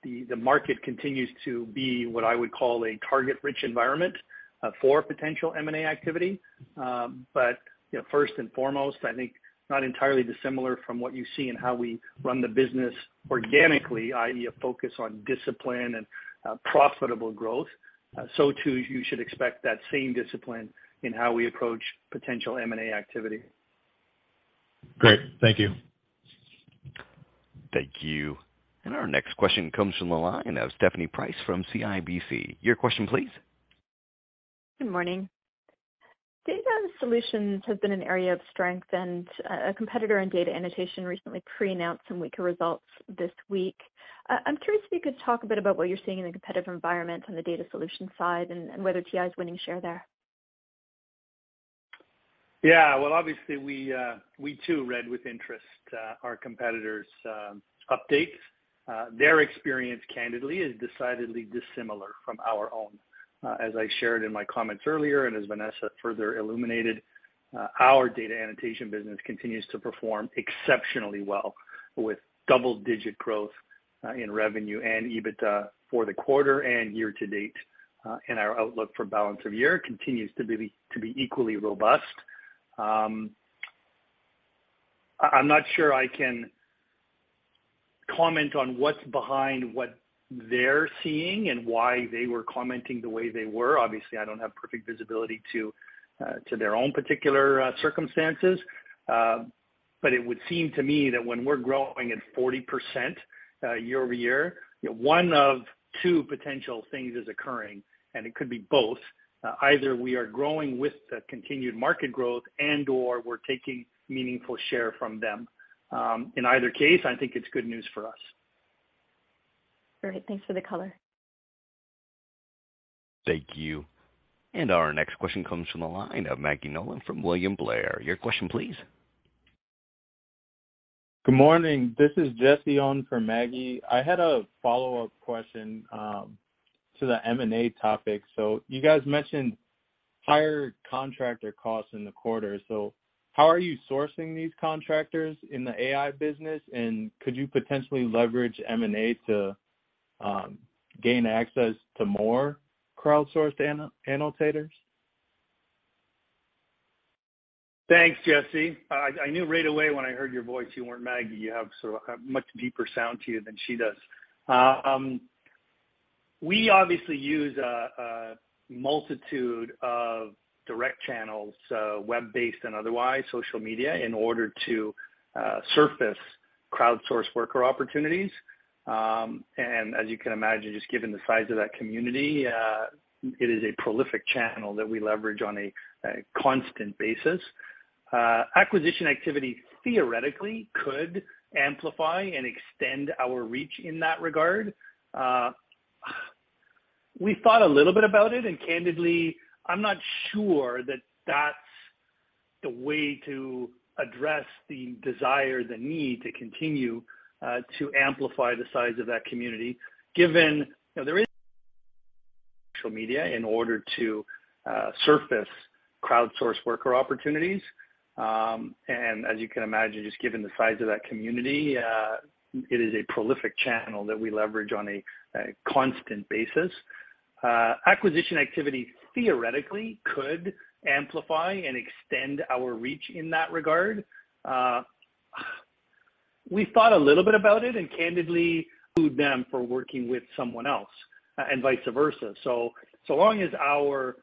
The market continues to be what I would call a target-rich environment for potential M&A activity. You know, first and foremost, I think not entirely dissimilar from what you see in how we run the business organically, i.e., a focus on discipline and profitable growth. Too, you should expect that same discipline in how we approach potential M&A activity. Great. Thank you. Thank you. Our next question comes from the line of Stephanie Price from CIBC. Your question please. Good morning. Data solutions have been an area of strength, and a competitor in data annotation recently pre-announced some weaker results this week. I'm curious if you could talk a bit about what you're seeing in the competitive environment on the data solution side and whether TI's winning share there. Yeah. Well, obviously we too read with interest our competitor's updates. Their experience candidly is decidedly dissimilar from our own. As I shared in my comments earlier and as Vanessa further illuminated, our data annotation business continues to perform exceptionally well with double digit growth in revenue and EBITDA for the quarter and year-to-date. Our outlook for balance of year continues to be equally robust. I'm not sure I can comment on what's behind what they're seeing and why they were commenting the way they were. Obviously, I don't have perfect visibility to their own particular circumstances. It would seem to me that when we're growing at 40% year-over-year, one of two potential things is occurring, and it could be both. Either we are growing with the continued market growth and/or we're taking meaningful share from them. In either case, I think it's good news for us. Great. Thanks for the color. Thank you. Our next question comes from the line of Maggie Nolan from William Blair. Your question, please. Good morning. This is Jesse on for Maggie. I had a follow-up question to the M&A topic. You guys mentioned higher contractor costs in the quarter. How are you sourcing these contractors in the AI business? Could you potentially leverage M&A to gain access to more crowdsourced annotators? Thanks, Jesse. I knew right away when I heard your voice, you weren't Maggie. You have sort of a much deeper sound to you than she does. We obviously use a multitude of direct channels, web-based and otherwise social media in order to surface crowdsource worker opportunities. As you can imagine, just given the size of that community, it is a prolific channel that we leverage on a constant basis. Acquisition activity theoretically could amplify and extend our reach in that regard. We thought a little bit about it, and candidly, I'm not sure that that's the way to address the desire, the need to continue to amplify the size of that community, given, you know, there is social media in order to surface crowdsource worker opportunities. As you can imagine, just given the size of that community, it is a prolific channel that we leverage on a constant basis. Acquisition activity theoretically could amplify and extend our reach in that regard. We thought a little bit about it and candidly include them for working with someone else, and vice versa. Long as our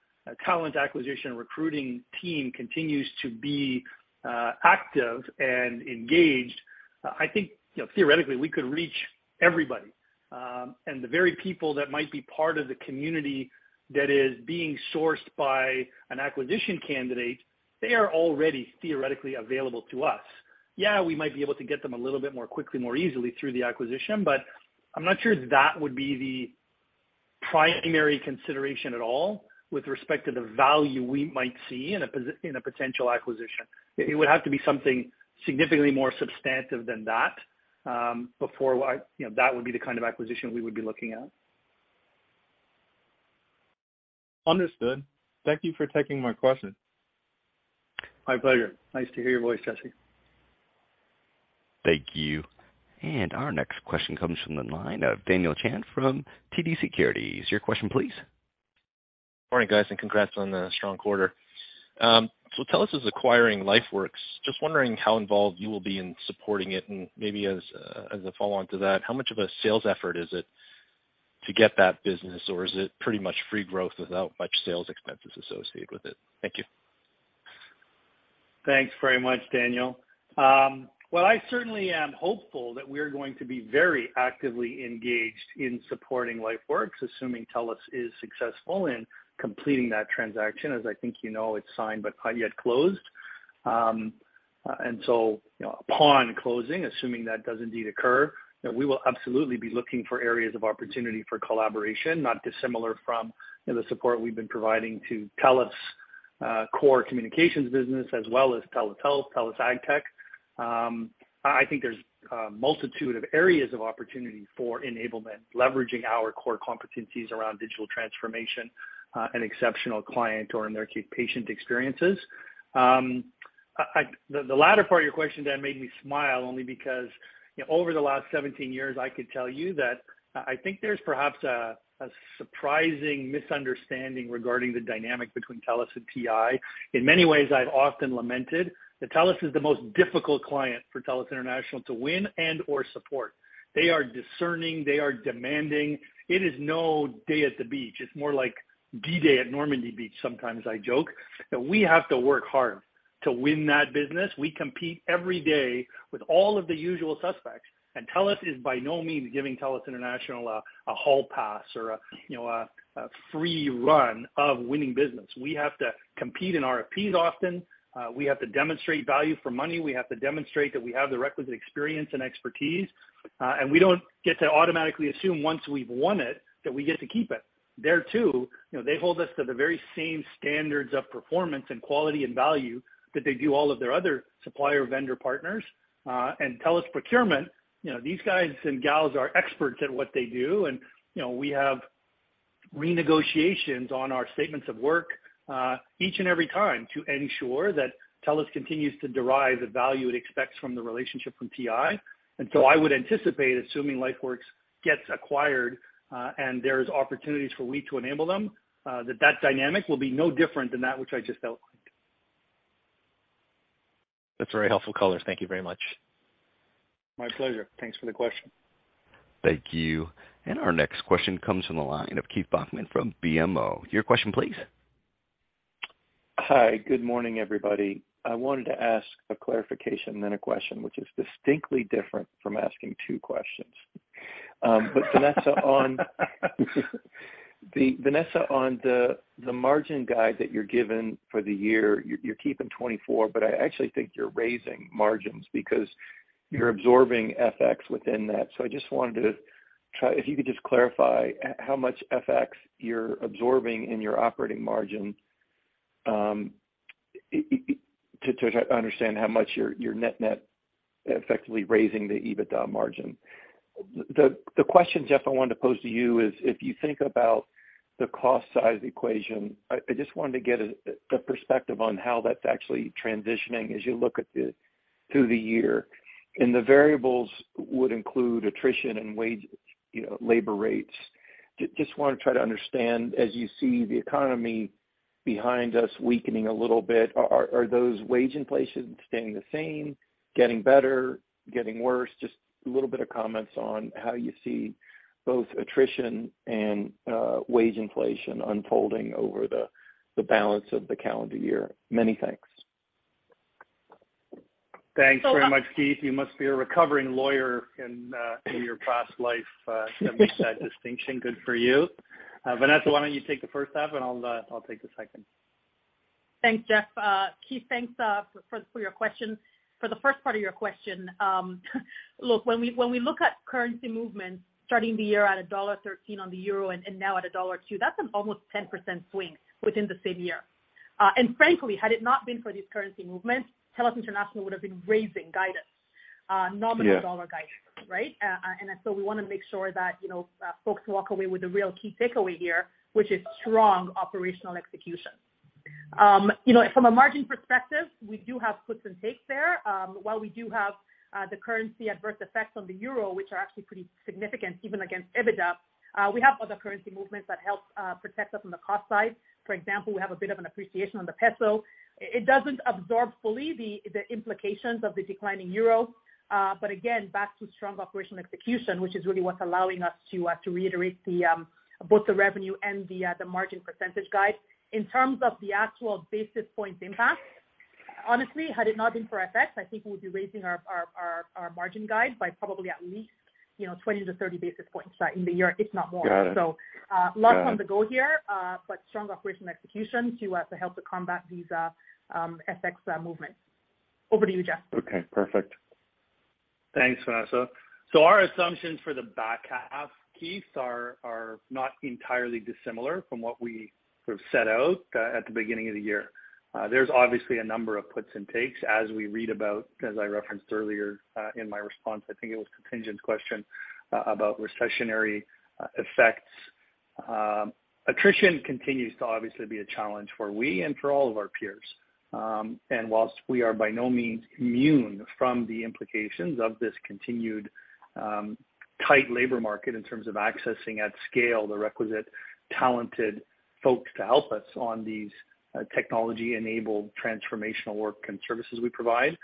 talent acquisition recruiting team continues to be active and engaged, I think, you know, theoretically, we could reach everybody. The very people that might be part of the community that is being sourced by an acquisition candidate, they are already theoretically available to us. Yeah, we might be able to get them a little bit more quickly, more easily through the acquisition, but I'm not sure that would be the primary consideration at all with respect to the value we might see in a potential acquisition. It would have to be something significantly more substantive than that before I, you know, that would be the kind of acquisition we would be looking at. Understood. Thank you for taking my question. My pleasure. Nice to hear your voice, Jesse. Thank you. Our next question comes from the line of Daniel Chan from TD Securities. Your question, please. Morning, guys, and congrats on the strong quarter. TELUS is acquiring LifeWorks. Just wondering how involved you will be in supporting it. Maybe as a follow-on to that, how much of a sales effort is it to get that business, or is it pretty much free growth without much sales expenses associated with it? Thank you. Thanks very much, Daniel. Well, I certainly am hopeful that we're going to be very actively engaged in supporting LifeWorks, assuming TELUS is successful in completing that transaction. As I think you know, it's signed but not yet closed. You know, upon closing, assuming that does indeed occur, that we will absolutely be looking for areas of opportunity for collaboration, not dissimilar from the support we've been providing to TELUS Core Communications business as well as TELUS Health, TELUS iTech. I think there's a multitude of areas of opportunity for enablement, leveraging our core competencies around digital transformation and exceptional client or in their case, patient experiences. The latter part of your question that made me smile only because, you know, over the last 17 years, I could tell you that I think there's perhaps a surprising misunderstanding regarding the dynamic between TELUS and TI. In many ways, I've often lamented that TELUS is the most difficult client for TELUS International to win and or support. They are discerning. They are demanding. It is no day at the beach. It's more like D-Day at Normandy Beach sometimes I joke, that we have to work hard to win that business. We compete every day with all of the usual suspects. TELUS is by no means giving TELUS International a hall pass or a, you know, a free run of winning business. We have to compete in RFPs often. We have to demonstrate value for money. We have to demonstrate that we have the requisite experience and expertise. We don't get to automatically assume once we've won it that we get to keep it. There too, you know, they hold us to the very same standards of performance and quality and value that they do all of their other supplier vendor partners. TELUS procurement, you know, these guys and gals are experts at what they do. You know, we have renegotiations on our statements of work each and every time to ensure that TELUS continues to derive the value it expects from the relationship from TI. I would anticipate, assuming LifeWorks gets acquired, and there's opportunities for us to enable them, that that dynamic will be no different than that which I just outlined. That's very helpful color. Thank you very much. My pleasure. Thanks for the question. Thank you. Our next question comes from the line of Keith Bachman from BMO. Your question, please. Hi, good morning, everybody. I wanted to ask a clarification then a question which is distinctly different from asking two questions. Vanessa, on the margin guide that you're given for the year, you're keeping 24%, but I actually think you're raising margins because you're absorbing FX within that. If you could just clarify how much FX you're absorbing in your operating margin. To try to understand how much your net-net effectively raising the EBITDA margin. The question, Jeff, I wanted to pose to you is if you think about the cost side equation, I just wanted to get a perspective on how that's actually transitioning as you look through the year. The variables would include attrition and wage, you know, labor rates. Just wanna try to understand as you see the economy behind us weakening a little bit, are those wage inflations staying the same, getting better, getting worse? Just a little bit of comments on how you see both attrition and wage inflation unfolding over the balance of the calendar year. Many thanks. Thanks very much, Keith. You must be a recovering lawyer in your past life to make that distinction. Good for you. Vanessa, why don't you take the first half and I'll take the second. Thanks, Jeff. Keith, thanks for your question. For the first part of your question, look, when we look at currency movements starting the year at $1.13 on the euro and now at $1.02, that's an almost 10% swing within the same year. Frankly, had it not been for these currency movements, TELUS International would've been raising guidance. Yeah. Nominal dollar guidance, right? We wanna make sure that, you know, folks walk away with the real key takeaway here, which is strong operational execution. You know, from a margin perspective, we do have puts and takes there. While we do have the currency adverse effects on the euro, which are actually pretty significant even against EBITDA, we have other currency movements that help protect us on the cost side. For example, we have a bit of an appreciation on the peso. It doesn't absorb fully the implications of the declining euro. Again, back to strong operational execution, which is really what's allowing us to reiterate both the revenue and the margin percentage guide. In terms of the actual basis points impact, honestly, had it not been for FX, I think we would be raising our margin guide by probably at least, you know, 20 to 30 basis points in the year, if not more. Got it. A lot on the go here, but strong operational execution to help to combat these FX movements. Over to you, Jeff. Okay, perfect. Thanks, Vanessa. Our assumptions for the back half, Keith, are not entirely dissimilar from what we sort of set out at the beginning of the year. There's obviously a number of puts and takes as we read about, as I referenced earlier, in my response. I think it was Tien-Tsin's question about recessionary effects. Attrition continues to obviously be a challenge for us and for all of our peers. While we are by no means immune from the implications of this continued tight labor market in terms of accessing at scale the requisite talented folks to help us on these technology-enabled transformational work and services we provide.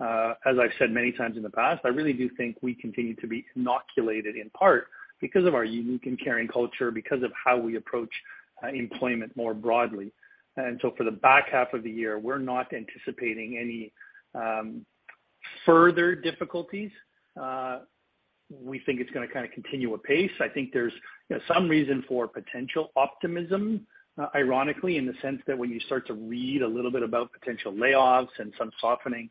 As I've said many times in the past, I really do think we continue to be inoculated in part because of our unique and caring culture, because of how we approach employment more broadly. For the back half of the year, we're not anticipating any further difficulties. We think it's gonna kinda continue a pace. I think there's, you know, some reason for potential optimism, ironically, in the sense that when you start to read a little bit about potential layoffs and some softening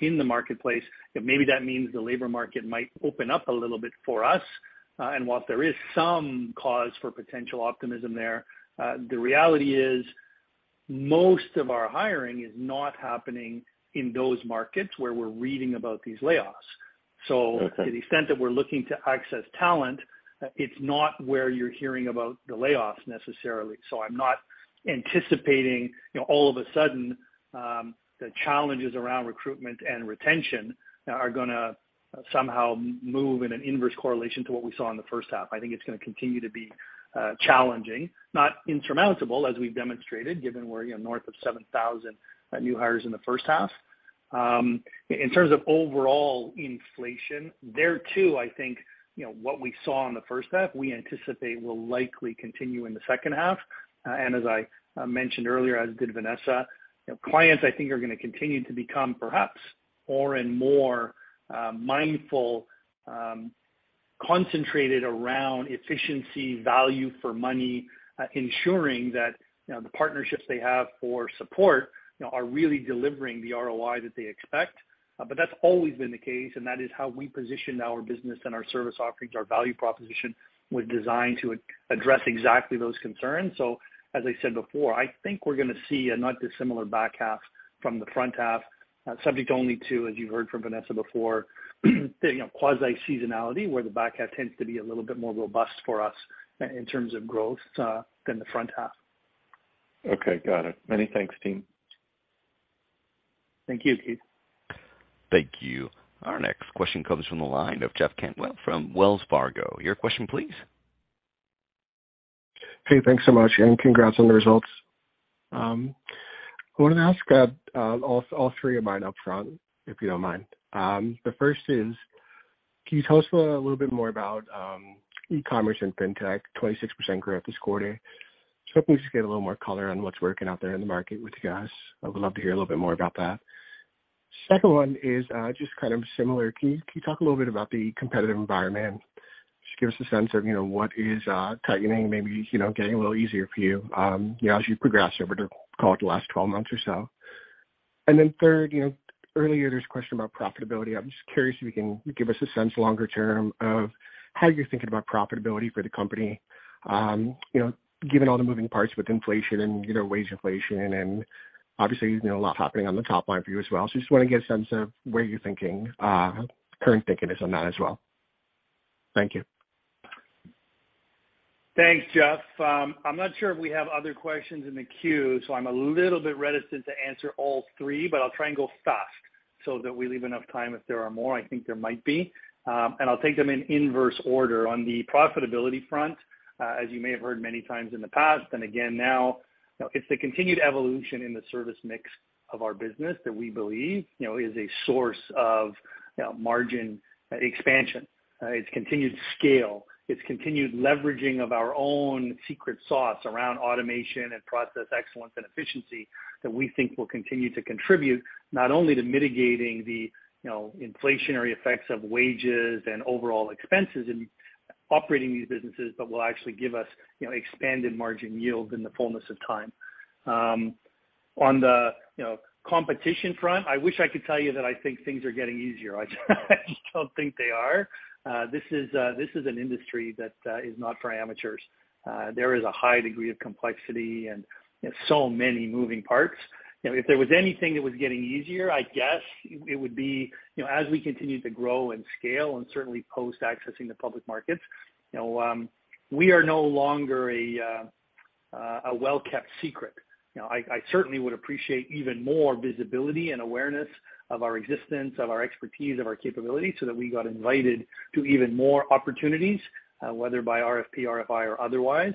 in the marketplace, that maybe that means the labor market might open up a little bit for us. Whilst there is some cause for potential optimism there, the reality is most of our hiring is not happening in those markets where we're reading about these layoffs. Okay. To the extent that we're looking to access talent, it's not where you're hearing about the layoffs necessarily. I'm not anticipating, you know, all of a sudden, the challenges around recruitment and retention are gonna somehow move in an inverse correlation to what we saw in the first half. I think it's gonna continue to be challenging, not insurmountable as we've demonstrated, given we're, you know, north of 7,000 new hires in the first half. In terms of overall inflation, there too, I think, you know, what we saw in the first half, we anticipate will likely continue in the second half. As I mentioned earlier, as did Vanessa, you know, clients I think are gonna continue to become perhaps more and more, mindful, concentrated around efficiency, value for money, ensuring that, you know, the partnerships they have for support, you know, are really delivering the ROI that they expect. That's always been the case, and that is how we position our business and our service offerings. Our value proposition was designed to address exactly those concerns. As I said before, I think we're gonna see a not dissimilar back half from the front half, subject only to, as you heard from Vanessa before, you know, quasi-seasonality, where the back half tends to be a little bit more robust for us in terms of growth, than the front half. Okay. Got it. Many thanks, team. Thank you, Keith. Thank you. Our next question comes from the line of Jeff Cantwell from Wells Fargo. Your question, please. Hey, thanks so much, and congrats on the results. I wanna ask all three of mine up front, if you don't mind. The first is, can you tell us a little bit more about e-commerce and fintech, 26% growth this quarter? Just hoping to just get a little more color on what's working out there in the market with you guys. I would love to hear a little bit more about that. Second one is just kind of similar. Can you talk a little bit about the competitive environment? Just give us a sense of, you know, what is tightening, maybe, you know, getting a little easier for you know, as you progress over, call it, the last 12 months or so. Then third, you know, earlier there's a question about profitability. I'm just curious if you can give us a sense longer term of how you're thinking about profitability for the company, you know, given all the moving parts with inflation and, you know, wage inflation, and obviously, you know, a lot happening on the top line for you as well? Just wanna get a sense of where you're thinking, current thinking is on that as well. Thank you. Thanks, Jeff. I'm not sure if we have other questions in the queue, so I'm a little bit reticent to answer all three, but I'll try and go fast so that we leave enough time if there are more. I think there might be. I'll take them in inverse order. On the profitability front, as you may have heard many times in the past and again now, you know, it's the continued evolution in the service mix of our business that we believe, you know, is a source of, you know, margin expansion. It's continued scale. It's continued leveraging of our own secret sauce around automation and process excellence and efficiency that we think will continue to contribute not only to mitigating the, you know, inflationary effects of wages and overall expenses in operating these businesses, but will actually give us, you know, expanded margin yield in the fullness of time. On the, you know, competition front, I wish I could tell you that I think things are getting easier. I just don't think they are. This is an industry that is not for amateurs. There is a high degree of complexity and, you know, so many moving parts. You know, if there was anything that was getting easier, I guess it would be, you know, as we continue to grow and scale and certainly post accessing the public markets, you know, we are no longer a well-kept secret. You know, I certainly would appreciate even more visibility and awareness of our existence, of our expertise, of our capability so that we got invited to even more opportunities, whether by RFP, RFI or otherwise.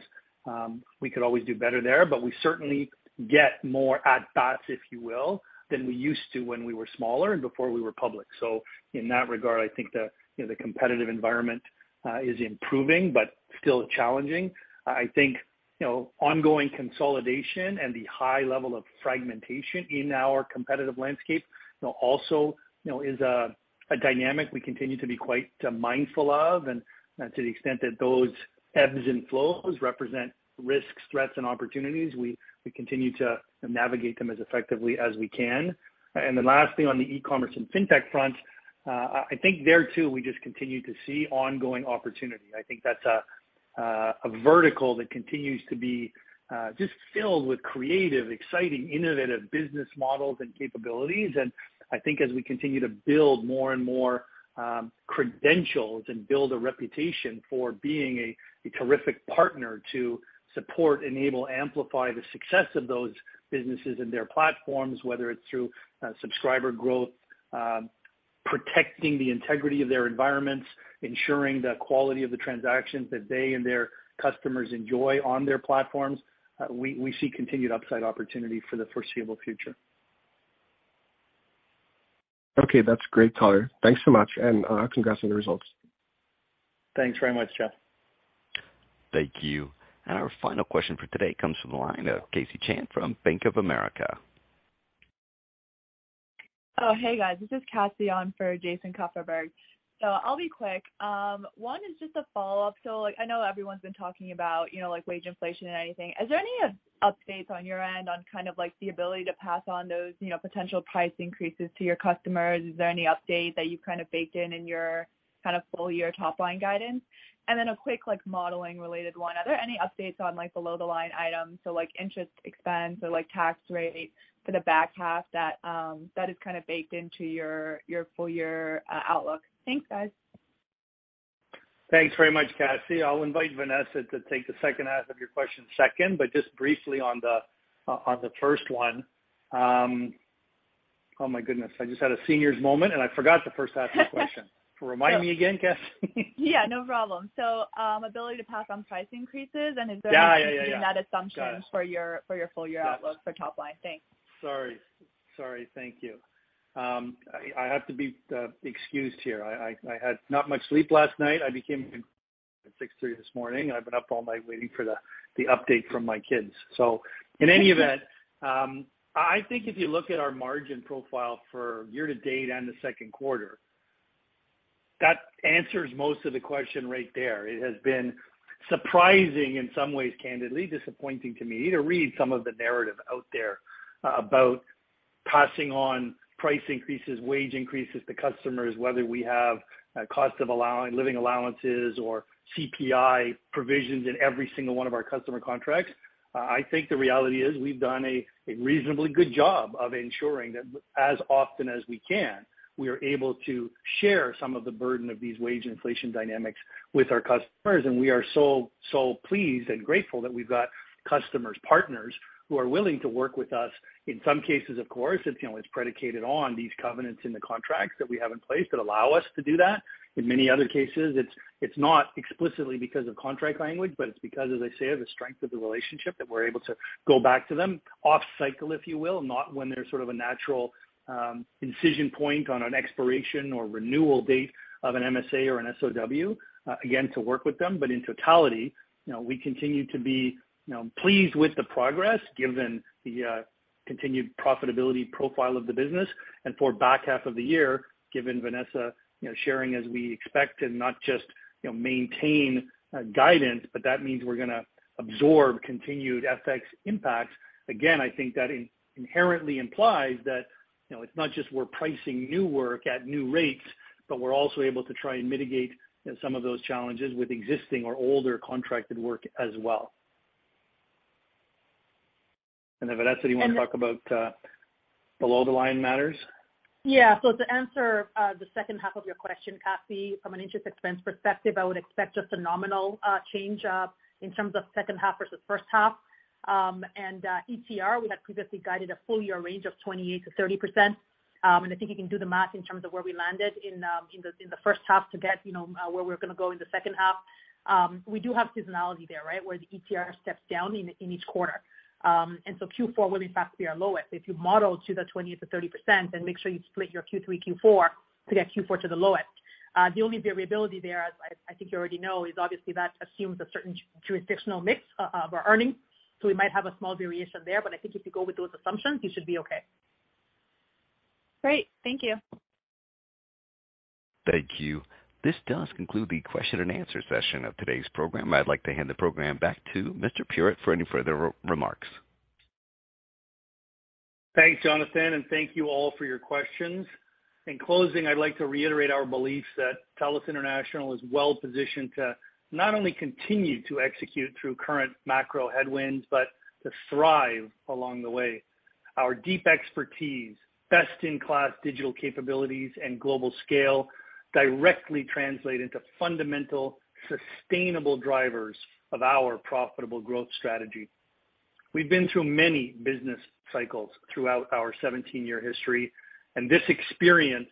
We could always do better there, but we certainly get more at bats, if you will, than we used to when we were smaller and before we were public. In that regard, I think the competitive environment is improving but still challenging. I think, you know, ongoing consolidation and the high level of fragmentation in our competitive landscape, you know, also, you know, is a dynamic we continue to be quite mindful of. To the extent that those ebbs and flows represent risks, threats and opportunities, we continue to navigate them as effectively as we can. Lastly on the e-commerce and fintech front, I think there too, we just continue to see ongoing opportunity. I think that's a vertical that continues to be just filled with creative, exciting, innovative business models and capabilities. I think as we continue to build more and more credentials and build a reputation for being a terrific partner to support, enable, amplify the success of those businesses and their platforms, whether it's through subscriber growth, protecting the integrity of their environments, ensuring the quality of the transactions that they and their customers enjoy on their platforms, we see continued upside opportunity for the foreseeable future. Okay. That's great, color. Thanks so much. Congrats on the results. Thanks very much, Jeff. Thank you. Our final question for today comes from the line of Cassie Chan from Bank of America. Oh, hey, guys. This is Cassie on for Jason Kupferberg. I'll be quick. One is just a follow-up. Like, I know everyone's been talking about, you know, like wage inflation and anything. Is there any updates on your end on kind of like the ability to pass on those, you know, potential price increases to your customers? Is there any update that you've kind of baked in your kind of full-year top line guidance? Then a quick, like, modeling related one. Are there any updates on, like, below the line items, so like interest expense or like tax rate for the back half that that is kind of baked into your your full-year outlook? Thanks, guys. Thanks very much, Cassie. I'll invite Vanessa to take the second half of your question second. Just briefly on the first one. Oh my goodness, I just had a senior's moment and I forgot the first half of the question. Remind me again, Cassie. Yeah, no problem. Ability to pass on price increases and is there— Yeah, yeah, yeah. —anything in that assumption— Got it. —for your full-year outlook— Got it. —for top line? Thanks. Sorry. Thank you. I have to be excused here. I had not much sleep last night. I awoke at 6:30AM this morning. I've been up all night waiting for the update from my kids. In any event, I think if you look at our margin profile for year-to-date and the second quarter, that answers most of the question right there. It has been surprising in some ways, candidly disappointing to me to read some of the narrative out there about passing on price increases, wage increases to customers, whether we have cost of living allowances or CPI provisions in every single one of our customer contracts. I think the reality is we've done a reasonably good job of ensuring that as often as we can, we are able to share some of the burden of these wage inflation dynamics with our customers. We are so pleased and grateful that we've got customers, partners who are willing to work with us. In some cases, of course, it's, you know, it's predicated on these covenants in the contracts that we have in place that allow us to do that. In many other cases, it's not explicitly because of contract language, but it's because, as I say, of the strength of the relationship that we're able to go back to them off cycle, if you will, not when there's sort of a natural inflection point on an expiration or renewal date of an MSA or an SOW, again, to work with them. But in totality, you know, we continue to be, you know, pleased with the progress given the continued profitability profile of the business. For back half of the year, given Vanessa, you know, sharing as we expect to not just, you know, maintain guidance, but that means we're gonna absorb continued FX impacts. Again, I think that inherently implies that, you know, it's not just we're pricing new work at new rates, but we're also able to try and mitigate some of those challenges with existing or older contracted work as well. Then Vanessa, do you wanna talk about below the line matters? To answer the second half of your question, Cassie, from an interest expense perspective, I would expect just a nominal change in terms of second half versus first half. ETR, we have previously guided a full year range of 28%-30%. I think you can do the math in terms of where we landed in the first half to get, you know, where we're gonna go in the second half. We do have seasonality there, right? Where the ETR steps down in each quarter. Q4 will in fact be our lowest. If you model to the 20%-30%, then make sure you split your Q3, Q4 to get Q4 to the lowest. The only variability there, as I think you already know, is obviously that assumes a certain jurisdictional mix of earnings. We might have a small variation there, but I think if you go with those assumptions, you should be okay. Great. Thank you. Thank you. This does conclude the question and answer session of today's program. I'd like to hand the program back to Mr. Puritt for any further remarks. Thanks, Jonathan, and thank you all for your questions. In closing, I'd like to reiterate our beliefs that TELUS International is well-positioned to not only continue to execute through current macro headwinds, but to thrive along the way. Our deep expertise, best-in-class digital capabilities and global scale directly translate into fundamental, sustainable drivers of our profitable growth strategy. We've been through many business cycles throughout our 17-year history, and this experience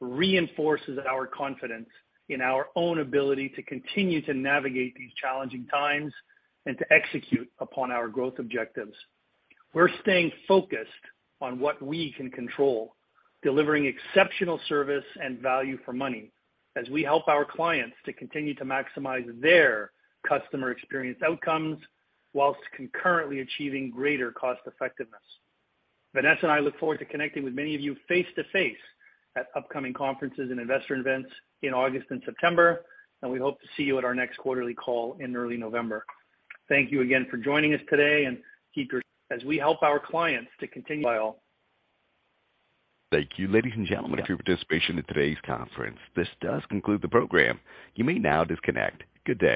reinforces our confidence in our own ability to continue to navigate these challenging times and to execute upon our growth objectives. We're staying focused on what we can control, delivering exceptional service and value for money as we help our clients to continue to maximize their customer experience outcomes while concurrently achieving greater cost effectiveness. Vanessa and I look forward to connecting with many of you face-to-face at upcoming conferences and investor events in August and September, and we hope to see you at our next quarterly call in early November. Thank you again for joining us today. Thank you. Ladies and gentlemen, for your participation in today's conference. This does conclude the program. You may now disconnect. Good day.